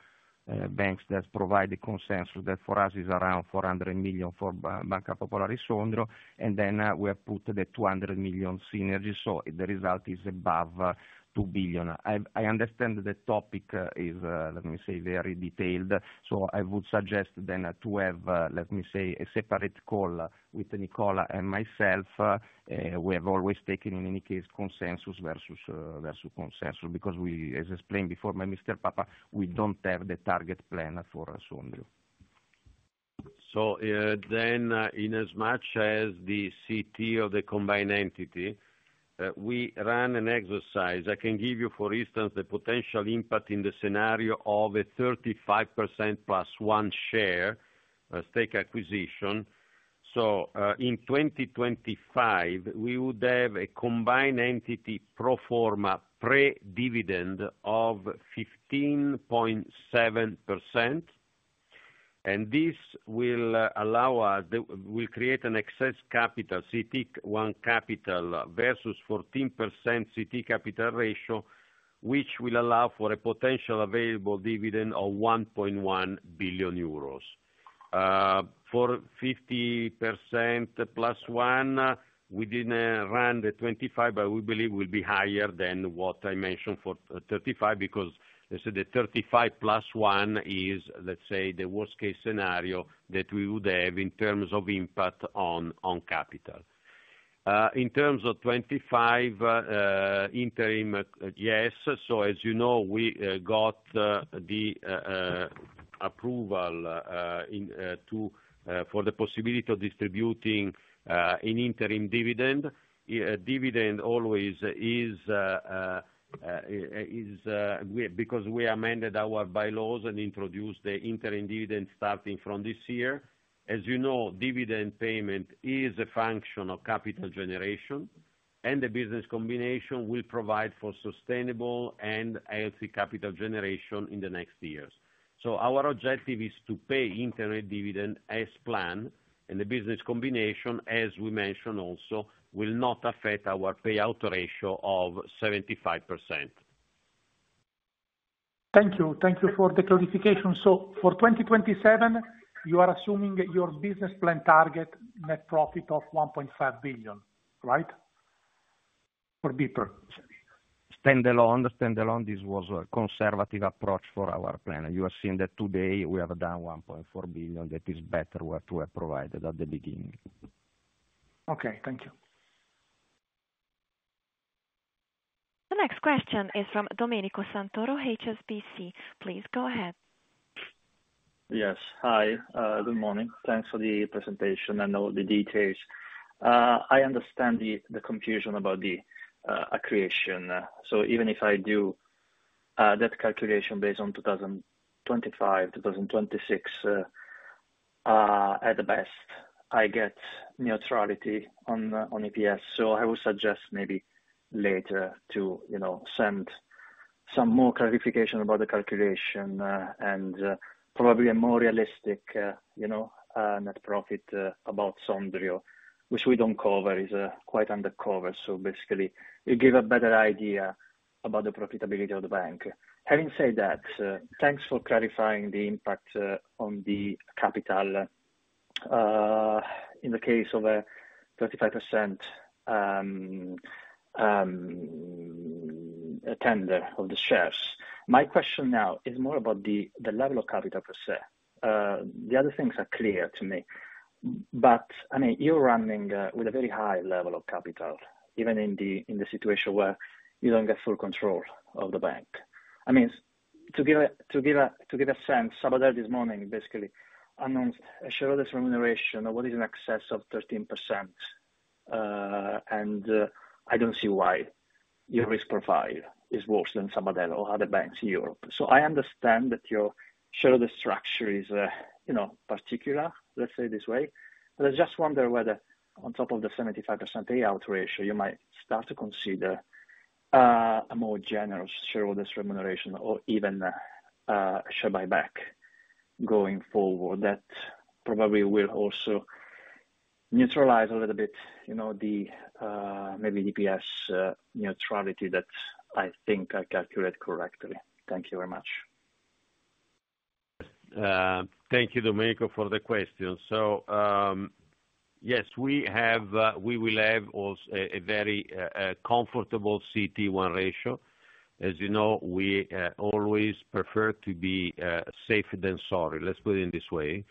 banks that provide the consensus that for us is around 400 million for Banca Popolare di Sondrio, and then we have put the 200 million synergy. So the result is above 2 billion. I understand the topic is, let me say, very detailed, so I would suggest then to have, let me say, a separate call with Nicola and myself. We have always taken, in any case, consensus versus consensus because we, as explained before by Mr. Papa, we don't have the target plan for Sondrio. So then inasmuch as the CET1 of the combined entity, we run an exercise. I can give you, for instance, the potential impact in the scenario of a 35% plus one share stake acquisition. So in 2025, we would have a combined entity pro forma pre-dividend of 15.7%, and this will allow us, will create an excess capital CET1 capital versus 14% CET1 capital ratio, which will allow for a potential available dividend of 1.1 billion euros. For 50% plus one, we didn't run the 25, but we believe will be higher than what I mentioned for 35 because I said the 35 plus one is, let's say, the worst-case scenario that we would have in terms of impact on capital. In terms of 25, interim, yes. So as you know, we got the approval for the possibility of distributing an interim dividend. Dividend always is because we amended our bylaws and introduced the interim dividend starting from this year. As you know, dividend payment is a function of capital generation, and the business combination will provide for sustainable and healthy capital generation in the next years. So our objective is to pay interim dividend as planned, and the business combination, as we mentioned also, will not affect our payout ratio of 75%. Thank you. Thank you for the clarification. So for 2027, you are assuming your business plan target net profit of 1.5 billion, right? For BPER. Standalone. Standalone, this was a conservative approach for our plan. You have seen that today we have done 1.4 billion. That is better what we have provided at the beginning. Okay. Thank you. The next question is from Domenico Santoro, HSBC. Please go ahead. Yes. Hi. Good morning. Thanks for the presentation and all the details. I understand the confusion about the accretion. Even if I do that calculation based on 2025, 2026, at best, I get neutrality on EPS. I will suggest maybe later to send some more clarification about the calculation and probably a more realistic net profit about Sondrio, which we don't cover. It's quite under-covered. Basically, it gives a better idea about the profitability of the bank. Having said that, thanks for clarifying the impact on the capital in the case of a 35% tender of the shares. My question now is more about the level of capital per se. The other things are clear to me. But I mean, you're running with a very high level of capital, even in the situation where you don't get full control of the bank. I mean, to give a sense, Sabadell this morning basically announced a shareholder's remuneration of what is in excess of 13%, and I don't see why your risk profile is worse than Sabadell or other banks in Europe. So I understand that your shareholder structure is particular, let's say it this way. But I just wonder whether, on top of the 75% payout ratio, you might start to consider a more generous shareholder's remuneration or even a share buyback going forward that probably will also neutralize a little bit the maybe the EPS neutrality that I think I calculate correctly. Thank you very much. Thank you, Domenico, for the question. So yes, we will have a very comfortable CET1 ratio. As you know, we always prefer to be safe than sorry. Let's put it in this way.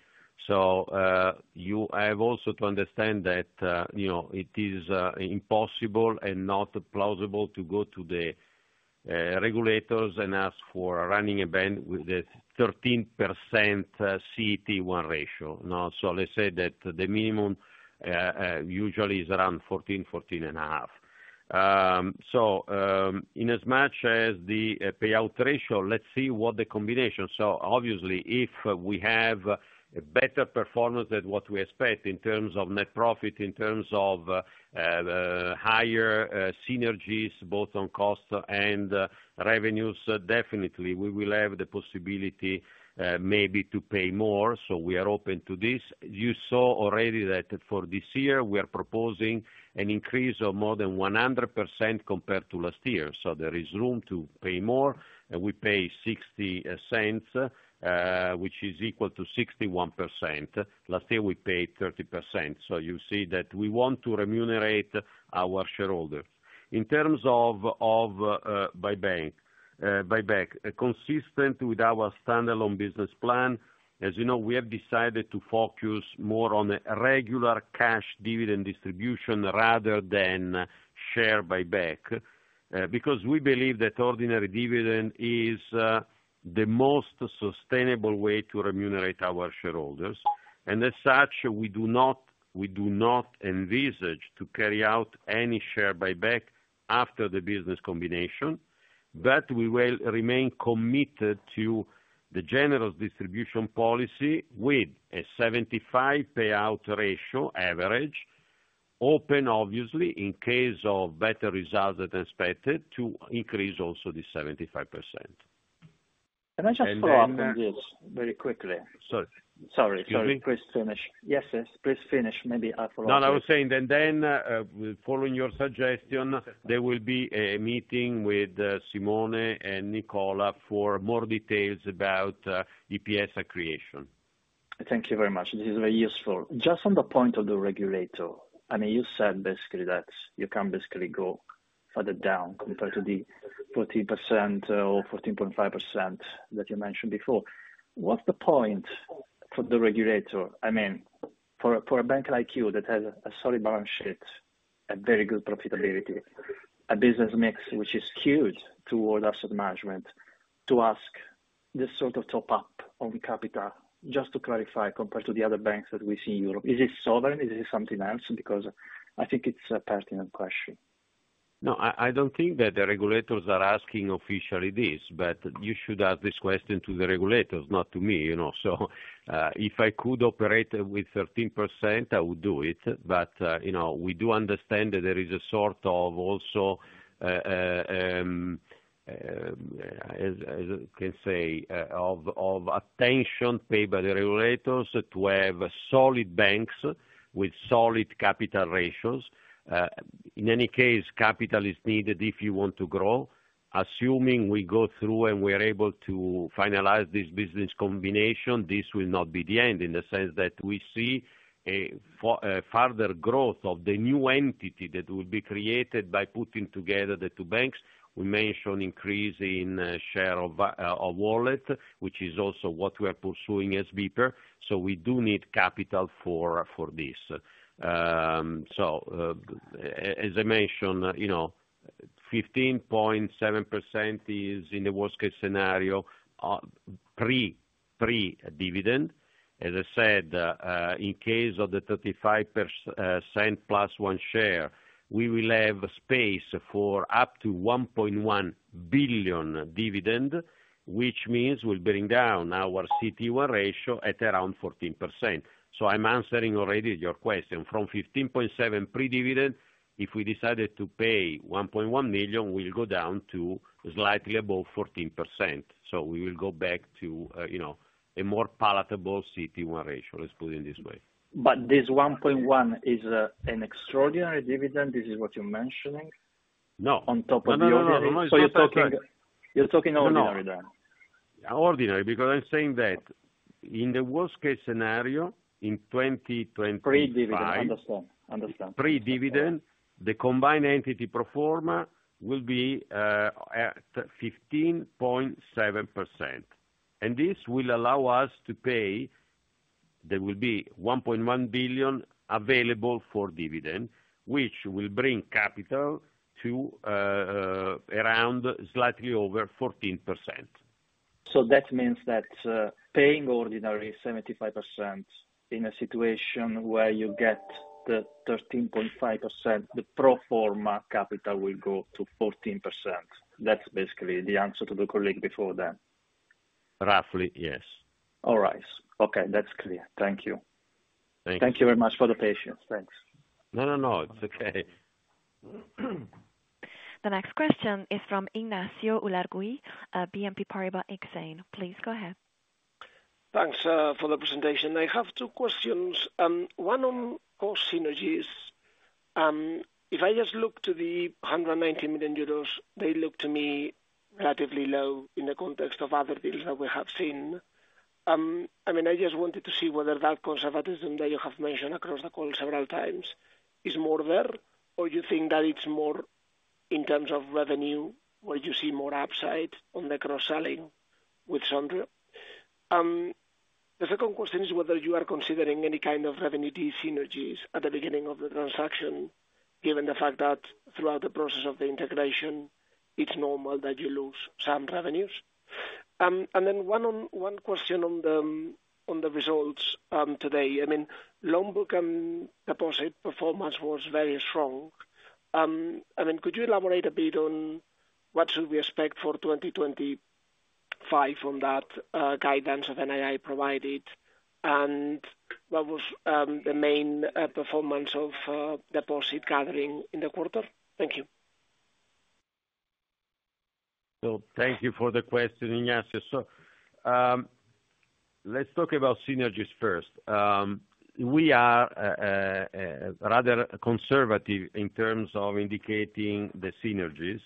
You have also to understand that it is impossible and not plausible to go to the regulators and ask for running a bank with a 13% CET1 ratio. Let's say that the minimum usually is around 14, 14 and a half. Inasmuch as the payout ratio, let's see what the combination. Obviously, if we have a better performance than what we expect in terms of net profit, in terms of higher synergies, both on cost and revenues, definitely we will have the possibility maybe to pay more. We are open to this. You saw already that for this year, we are proposing an increase of more than 100% compared to last year. There is room to pay more. We pay 0.60, which is equal to 61%. Last year, we paid 30%. You see that we want to remunerate our shareholders. In terms of buyback, consistent with our standalone business plan, as you know, we have decided to focus more on regular cash dividend distribution rather than share buyback because we believe that ordinary dividend is the most sustainable way to remunerate our shareholders. And as such, we do not envisage to carry out any share buyback after the business combination, but we will remain committed to the generous distribution policy with a 75% payout ratio average, open, obviously, in case of better results than expected, to increase also the 75%. Can I just follow up on this very quickly? Sorry. Please finish. Yes, yes. Please finish. Maybe I follow up. No, no. I was saying that then following your suggestion, there will be a meeting with Simone and Nicola for more details about EPS accretion. Thank you very much. This is very useful. Just on the point of the regulator, I mean, you said basically that you can basically go further down compared to the 14% or 14.5% that you mentioned before. What's the point for the regulator? I mean, for a bank like you that has a solid balance sheet, a very good profitability, a business mix which is huge towards asset management, to ask this sort of top-up on capital, just to clarify compared to the other banks that we see in Europe, is it sovereign? Is it something else? Because I think it's a pertinent question. No, I don't think that the regulators are asking officially this, but you should ask this question to the regulators, not to me. So if I could operate with 13%, I would do it. But we do understand that there is a sort of also, as I can say, of attention paid by the regulators to have solid banks with solid capital ratios. In any case, capital is needed if you want to grow. Assuming we go through and we are able to finalize this business combination, this will not be the end in the sense that we see a further growth of the new entity that will be created by putting together the two banks. We mentioned increase in share of wallet, which is also what we are pursuing as BPER. So we do need capital for this. So as I mentioned, 15.7% is in the worst-case scenario pre-dividend. As I said, in case of the 35% plus one share, we will have space for up to 1.1 billion dividend, which means we'll bring down our CET1 ratio at around 14%. So I'm answering already your question. From 15.7% pre-dividend, if we decided to pay 1.1 million, we'll go down to slightly above 14%. So we will go back to a more palatable CET1 ratio. Let's put it in this way. But this 1.1 is an extraordinary dividend? This is what you're mentioning? No. On top of the ordinary? So you're talking ordinary then? No. Ordinary because I'm saying that in the worst-case scenario in 2025. Pre-dividend. I understand. I understand. Pre-dividend, the combined entity pro forma will be at 15.7%. And this will allow us to pay. There will be 1.1 billion available for dividend, which will bring capital to around slightly over 14%. So that means that paying ordinary 75% in a situation where you get the 13.5%, the pro forma capital will go to 14%. That's basically the answer to the colleague before then. Roughly, yes. All right. Okay. That's clear. Thank you. Thank you. Thank you very much for the patience. Thanks. No, no, no. It's okay. The next question is from Ignacio Ulargui, BNP Paribas. Please go ahead. Thanks for the presentation. I have two questions. One on cost synergies. If I just look to the 190 million euros, they look to me relatively low in the context of other deals that we have seen. I mean, I just wanted to see whether that conservatism that you have mentioned across the call several times is more there or you think that it's more in terms of revenue where you see more upside on the cross-selling with Sondrio. The second question is whether you are considering any kind of revenue deal synergies at the beginning of the transaction, given the fact that throughout the process of the integration, it's normal that you lose some revenues. And then one question on the results today. I mean, loan book and deposit performance was very strong. I mean, could you elaborate a bit on what should we expect for 2025 on that guidance of NII provided and what was the main performance of deposit gathering in the quarter? Thank you. Well, thank you for the question, Ignacio. So let's talk about synergies first. We are rather conservative in terms of indicating the synergies.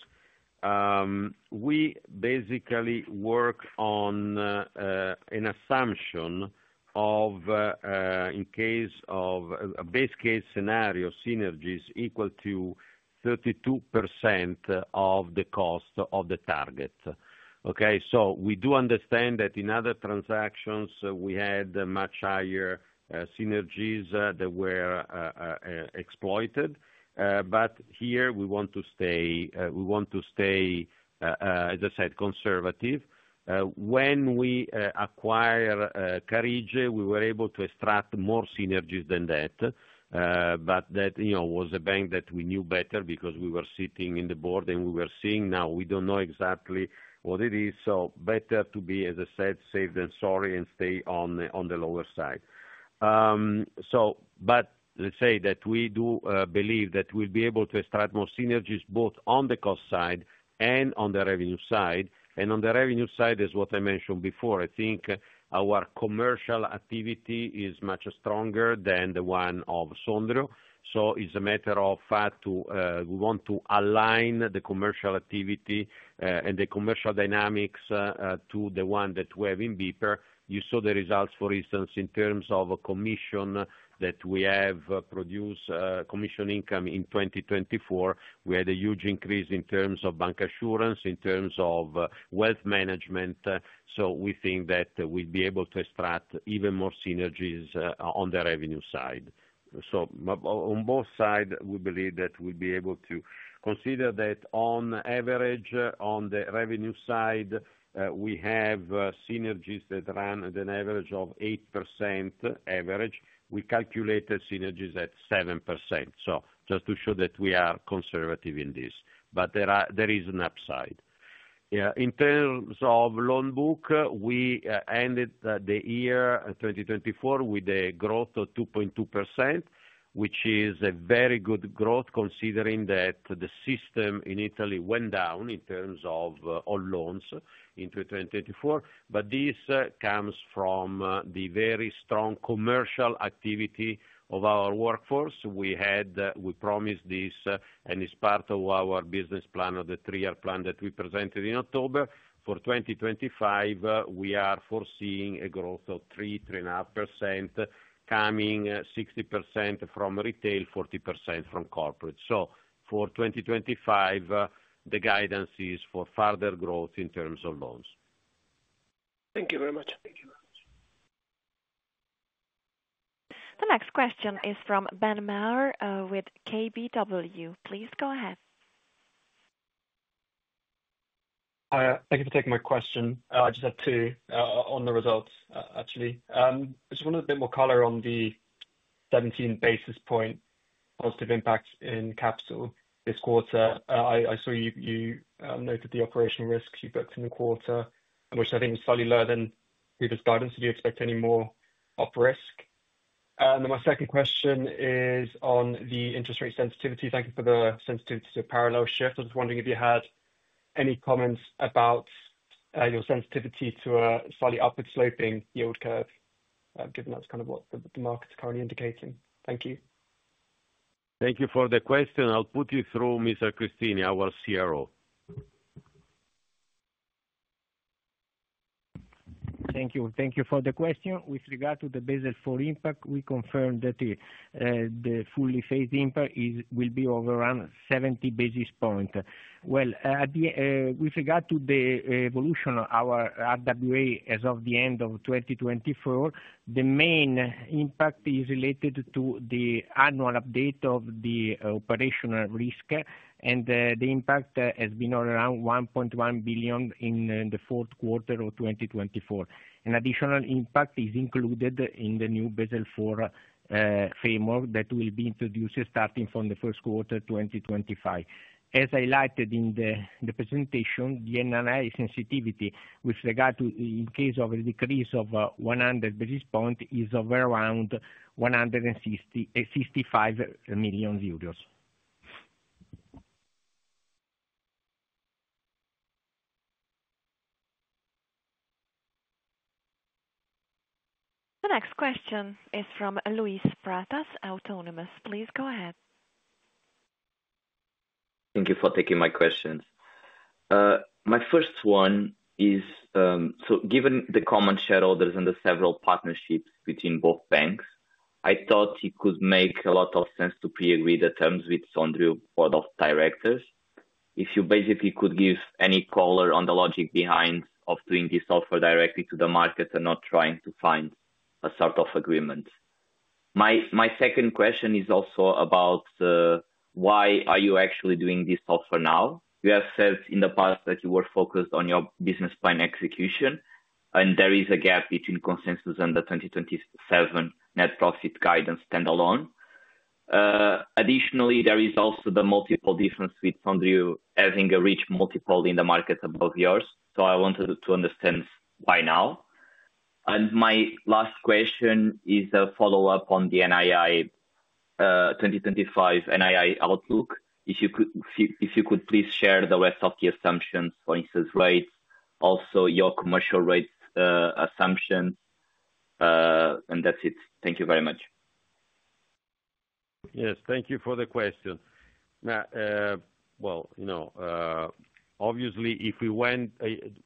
We basically work on an assumption of, in case of a base-case scenario, synergies equal to 32% of the cost of the target. Okay? So we do understand that in other transactions, we had much higher synergies that were exploited. But here, we want to stay, as I said, conservative. When we acquired Carige, we were able to extract more synergies than that. But that was a bank that we knew better because we were sitting in the board and we were seeing. Now, we don't know exactly what it is. So better to be, as I said, safe than sorry and stay on the lower side. But let's say that we do believe that we'll be able to extract more synergies both on the cost side and on the revenue side. And on the revenue side, as what I mentioned before, I think our commercial activity is much stronger than the one of Sondrio. So it's a matter of we want to align the commercial activity and the commercial dynamics to the one that we have in BPER. You saw the results, for instance, in terms of commission that we have produced, commission income in 2024. We had a huge increase in terms of bank assurance, in terms of wealth management. So we think that we'll be able to extract even more synergies on the revenue side. So on both sides, we believe that we'll be able to consider that on average, on the revenue side, we have synergies that run at an average of 8% average. We calculated synergies at 7%. So just to show that we are conservative in this. But there is an upside. In terms of loan book, we ended the year 2024 with a growth of 2.2%, which is a very good growth considering that the system in Italy went down in terms of all loans in 2024. But this comes from the very strong commercial activity of our workforce. We promised this, and it's part of our business plan of the three-year plan that we presented in October. For 2025, we are foreseeing a growth of 3-3.5%, coming 60% from retail, 40% from corporate. For 2025, the guidance is for further growth in terms of loans. Thank you very much. The next question is from Ben Mathews with KBW. Please go ahead. Hi. Thank you for taking my question. I just had two on the results, actually. I just wanted a bit more color on the 17 basis point positive impact in capital this quarter. I saw you noted the operational risks you booked in the quarter, which I think was slightly lower than previous guidance. Did you expect any more up risk? And then my second question is on the interest rate sensitivity. Thank you for the sensitivity to a parallel shift. I was wondering if you had any comments about your sensitivity to a slightly upward-sloping yield curve, given that's kind of what the market's currently indicating. Thank you. Thank you for the question. I'll put you through, Mr. Cristini, our CRO. Thank you. Thank you for the question. With regard to the baseline for impact, we confirmed that the fully phased impact will be over around 70 basis points. With regard to the evolution of our RWA as of the end of 2024, the main impact is related to the annual update of the operational risk, and the impact has been around 1.1 billion in the fourth quarter of 2024. An additional impact is included in the new baseline for framework that will be introduced starting from the first quarter 2025. As highlighted in the presentation, the NII sensitivity with regard to in case of a decrease of 100 basis points is of around EUR 165 million. The next question is from Luis Pratas, Autonomous Research. Please go ahead. Thank you for taking my questions. My first one is, so given the common shareholders and the several partnerships between both banks, I thought it could make a lot of sense to pre-agree the terms with Sondrio's board of directors if you basically could give any color on the logic behind doing this offer directly to the market and not trying to find a sort of agreement. My second question is also about why are you actually doing this offer now? You have said in the past that you were focused on your business plan execution, and there is a gap between consensus and the 2027 net profit guidance standalone. Additionally, there is also the multiple difference with Sondrio having a rich multiple in the market above yours, so I wanted to understand why now, and my last question is a follow-up on the NII 2025 NII outlook. If you could please share the rest of the assumptions, for instance, rates, also your commercial rates assumption. And that's it. Thank you very much. Yes. Thank you for the question. Well, obviously, if we went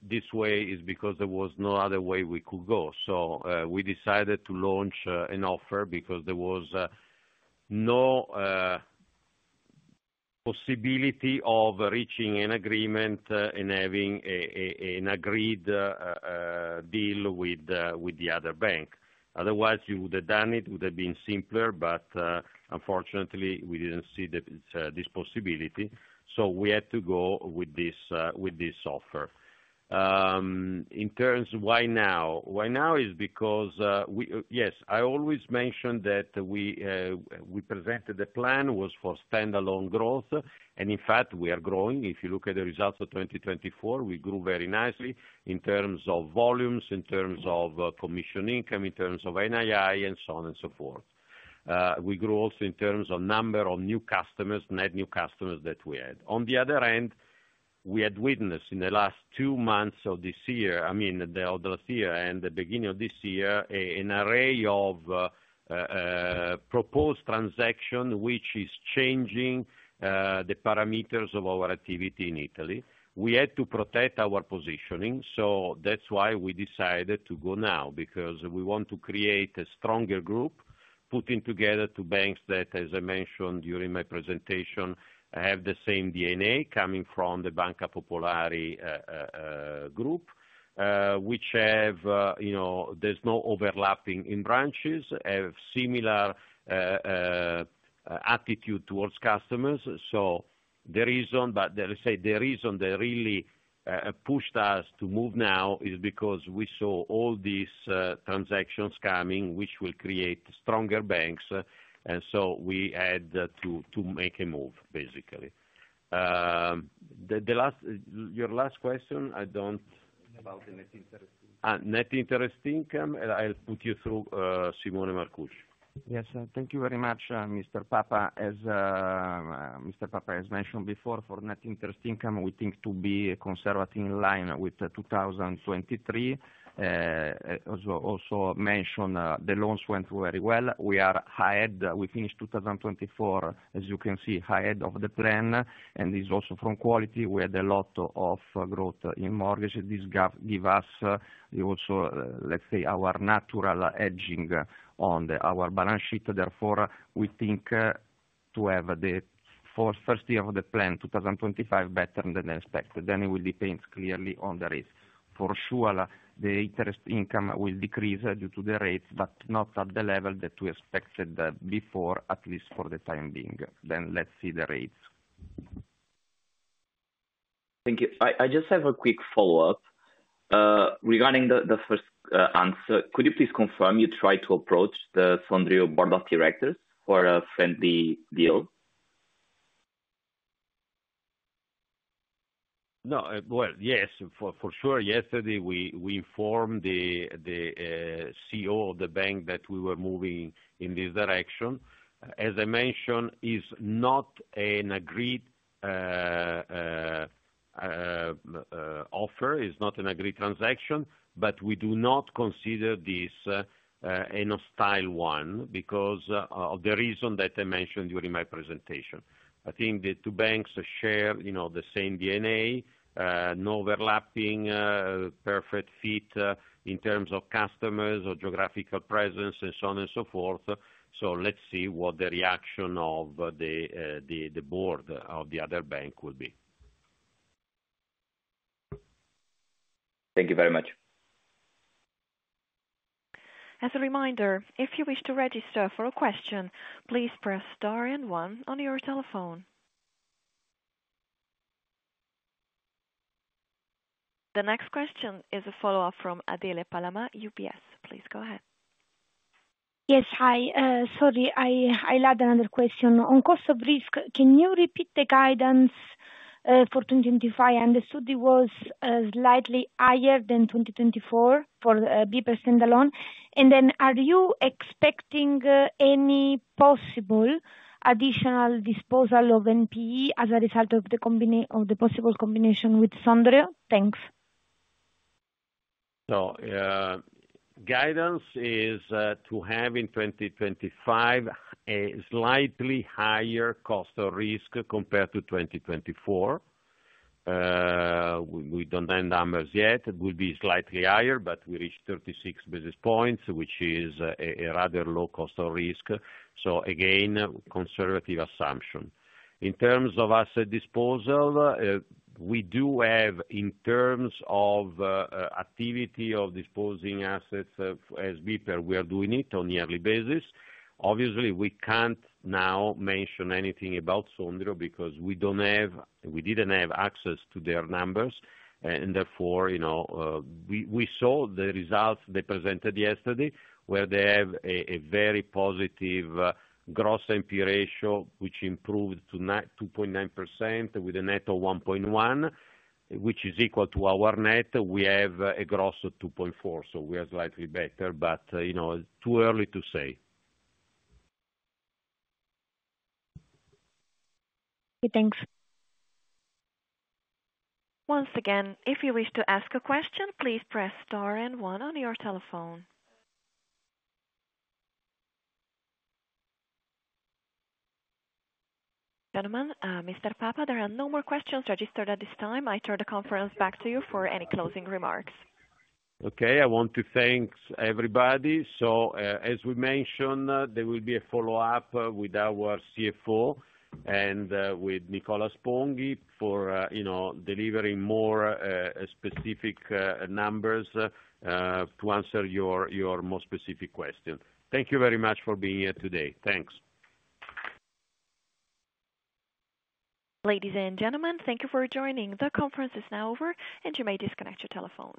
this way, it's because there was no other way we could go. So we decided to launch an offer because there was no possibility of reaching an agreement and having an agreed deal with the other bank. Otherwise, you would have done it. It would have been simpler, but unfortunately, we didn't see this possibility. So we had to go with this offer. In terms of why now, why now is because, yes, I always mentioned that we presented the plan was for standalone growth, and in fact, we are growing. If you look at the results of 2024, we grew very nicely in terms of volumes, in terms of commission income, in terms of NII, and so on and so forth. We grew also in terms of number of new customers, net new customers that we had. On the other hand, we had witnessed in the last two months of this year, I mean, the last year and the beginning of this year, an array of proposed transactions, which is changing the parameters of our activity in Italy. We had to protect our positioning. So that's why we decided to go now because we want to create a stronger group, putting together two banks that, as I mentioned during my presentation, have the same DNA coming from the Banca Popolari group, which have, there's no overlapping in branches, have similar attitude toward customers. So, the reason, but let's say the reason that really pushed us to move now is because we saw all these transactions coming, which will create stronger banks. And so we had to make a move, basically. Your last question, I don't. About the net interest. Net interest income, I'll put you through Simone Marcucci. Yes. Thank you very much, Mr. Papa. As Mr. Papa has mentioned before, for net interest income, we think to be conservative in line with 2023. As also mentioned, the loans went very well. We are high-end. We finished 2024, as you can see, high-end of the plan. And it's also from quality. We had a lot of growth in mortgages. This gave us, also, let's say, our natural hedging on our balance sheet. Therefore, we think to have the first year of the plan, 2025, better than expected. Then, it will depend clearly on the rates. For sure, the interest income will decrease due to the rates, but not at the level that we expected before, at least for the time being. Then let's see the rates. Thank you. I just have a quick follow-up. Regarding the first answer, could you please confirm you tried to approach the Sondrio Board of Directors for a friendly deal? No. Well, yes, for sure. Yesterday, we informed the CEO of the bank that we were moving in this direction. As I mentioned, it's not an agreed offer. It's not an agreed transaction, but we do not consider this a hostile one because of the reason that I mentioned during my presentation. I think the two banks share the same DNA, no overlapping, perfect fit in terms of customers or geographical presence, and so on and so forth. So let's see what the reaction of the board of the other bank will be. Thank you very much. As a reminder, if you wish to register for a question, please press star and one on your telephone. The next question is a follow-up from Adele Palama, UBS. Please go ahead. Yes. Hi. Sorry, I had another question. On cost of risk, can you repeat the guidance for 2025? I understood it was slightly higher than 2024 for BP standalone. And then are you expecting any possible additional disposal of NPE as a result of the possible combination with Sondrio? Thanks. So guidance is to have in 2025 a slightly higher cost of risk compared to 2024. We don't have numbers yet. It will be slightly higher, but we reached 36 basis points, which is a rather low cost of risk. So again, conservative assumption. In terms of asset disposal, we do have in terms of activity of disposing assets as BPER. We are doing it on a yearly basis. Obviously, we can't now mention anything about Sondrio because we didn't have access to their numbers. And therefore, we saw the results they presented yesterday, where they have a very positive gross NP ratio, which improved to 2.9% with a net of 1.1%, which is equal to our net. We have a gross of 2.4%. So we are slightly better, but too early to say. Thanks. Once again, if you wish to ask a question, please press star and one on your telephone. Gentlemen, Mr. Papa, there are no more questions registered at this time. I turn the conference back to you for any closing remarks. Okay. I want to thank everybody. So as we mentioned, there will be a follow-up with our CFO and with Nicola Sponghi for delivering more specific numbers to answer your more specific questions. Thank you very much for being here today. Thanks. Ladies and gentlemen, thank you for joining. The conference is now over, and you may disconnect your telephone.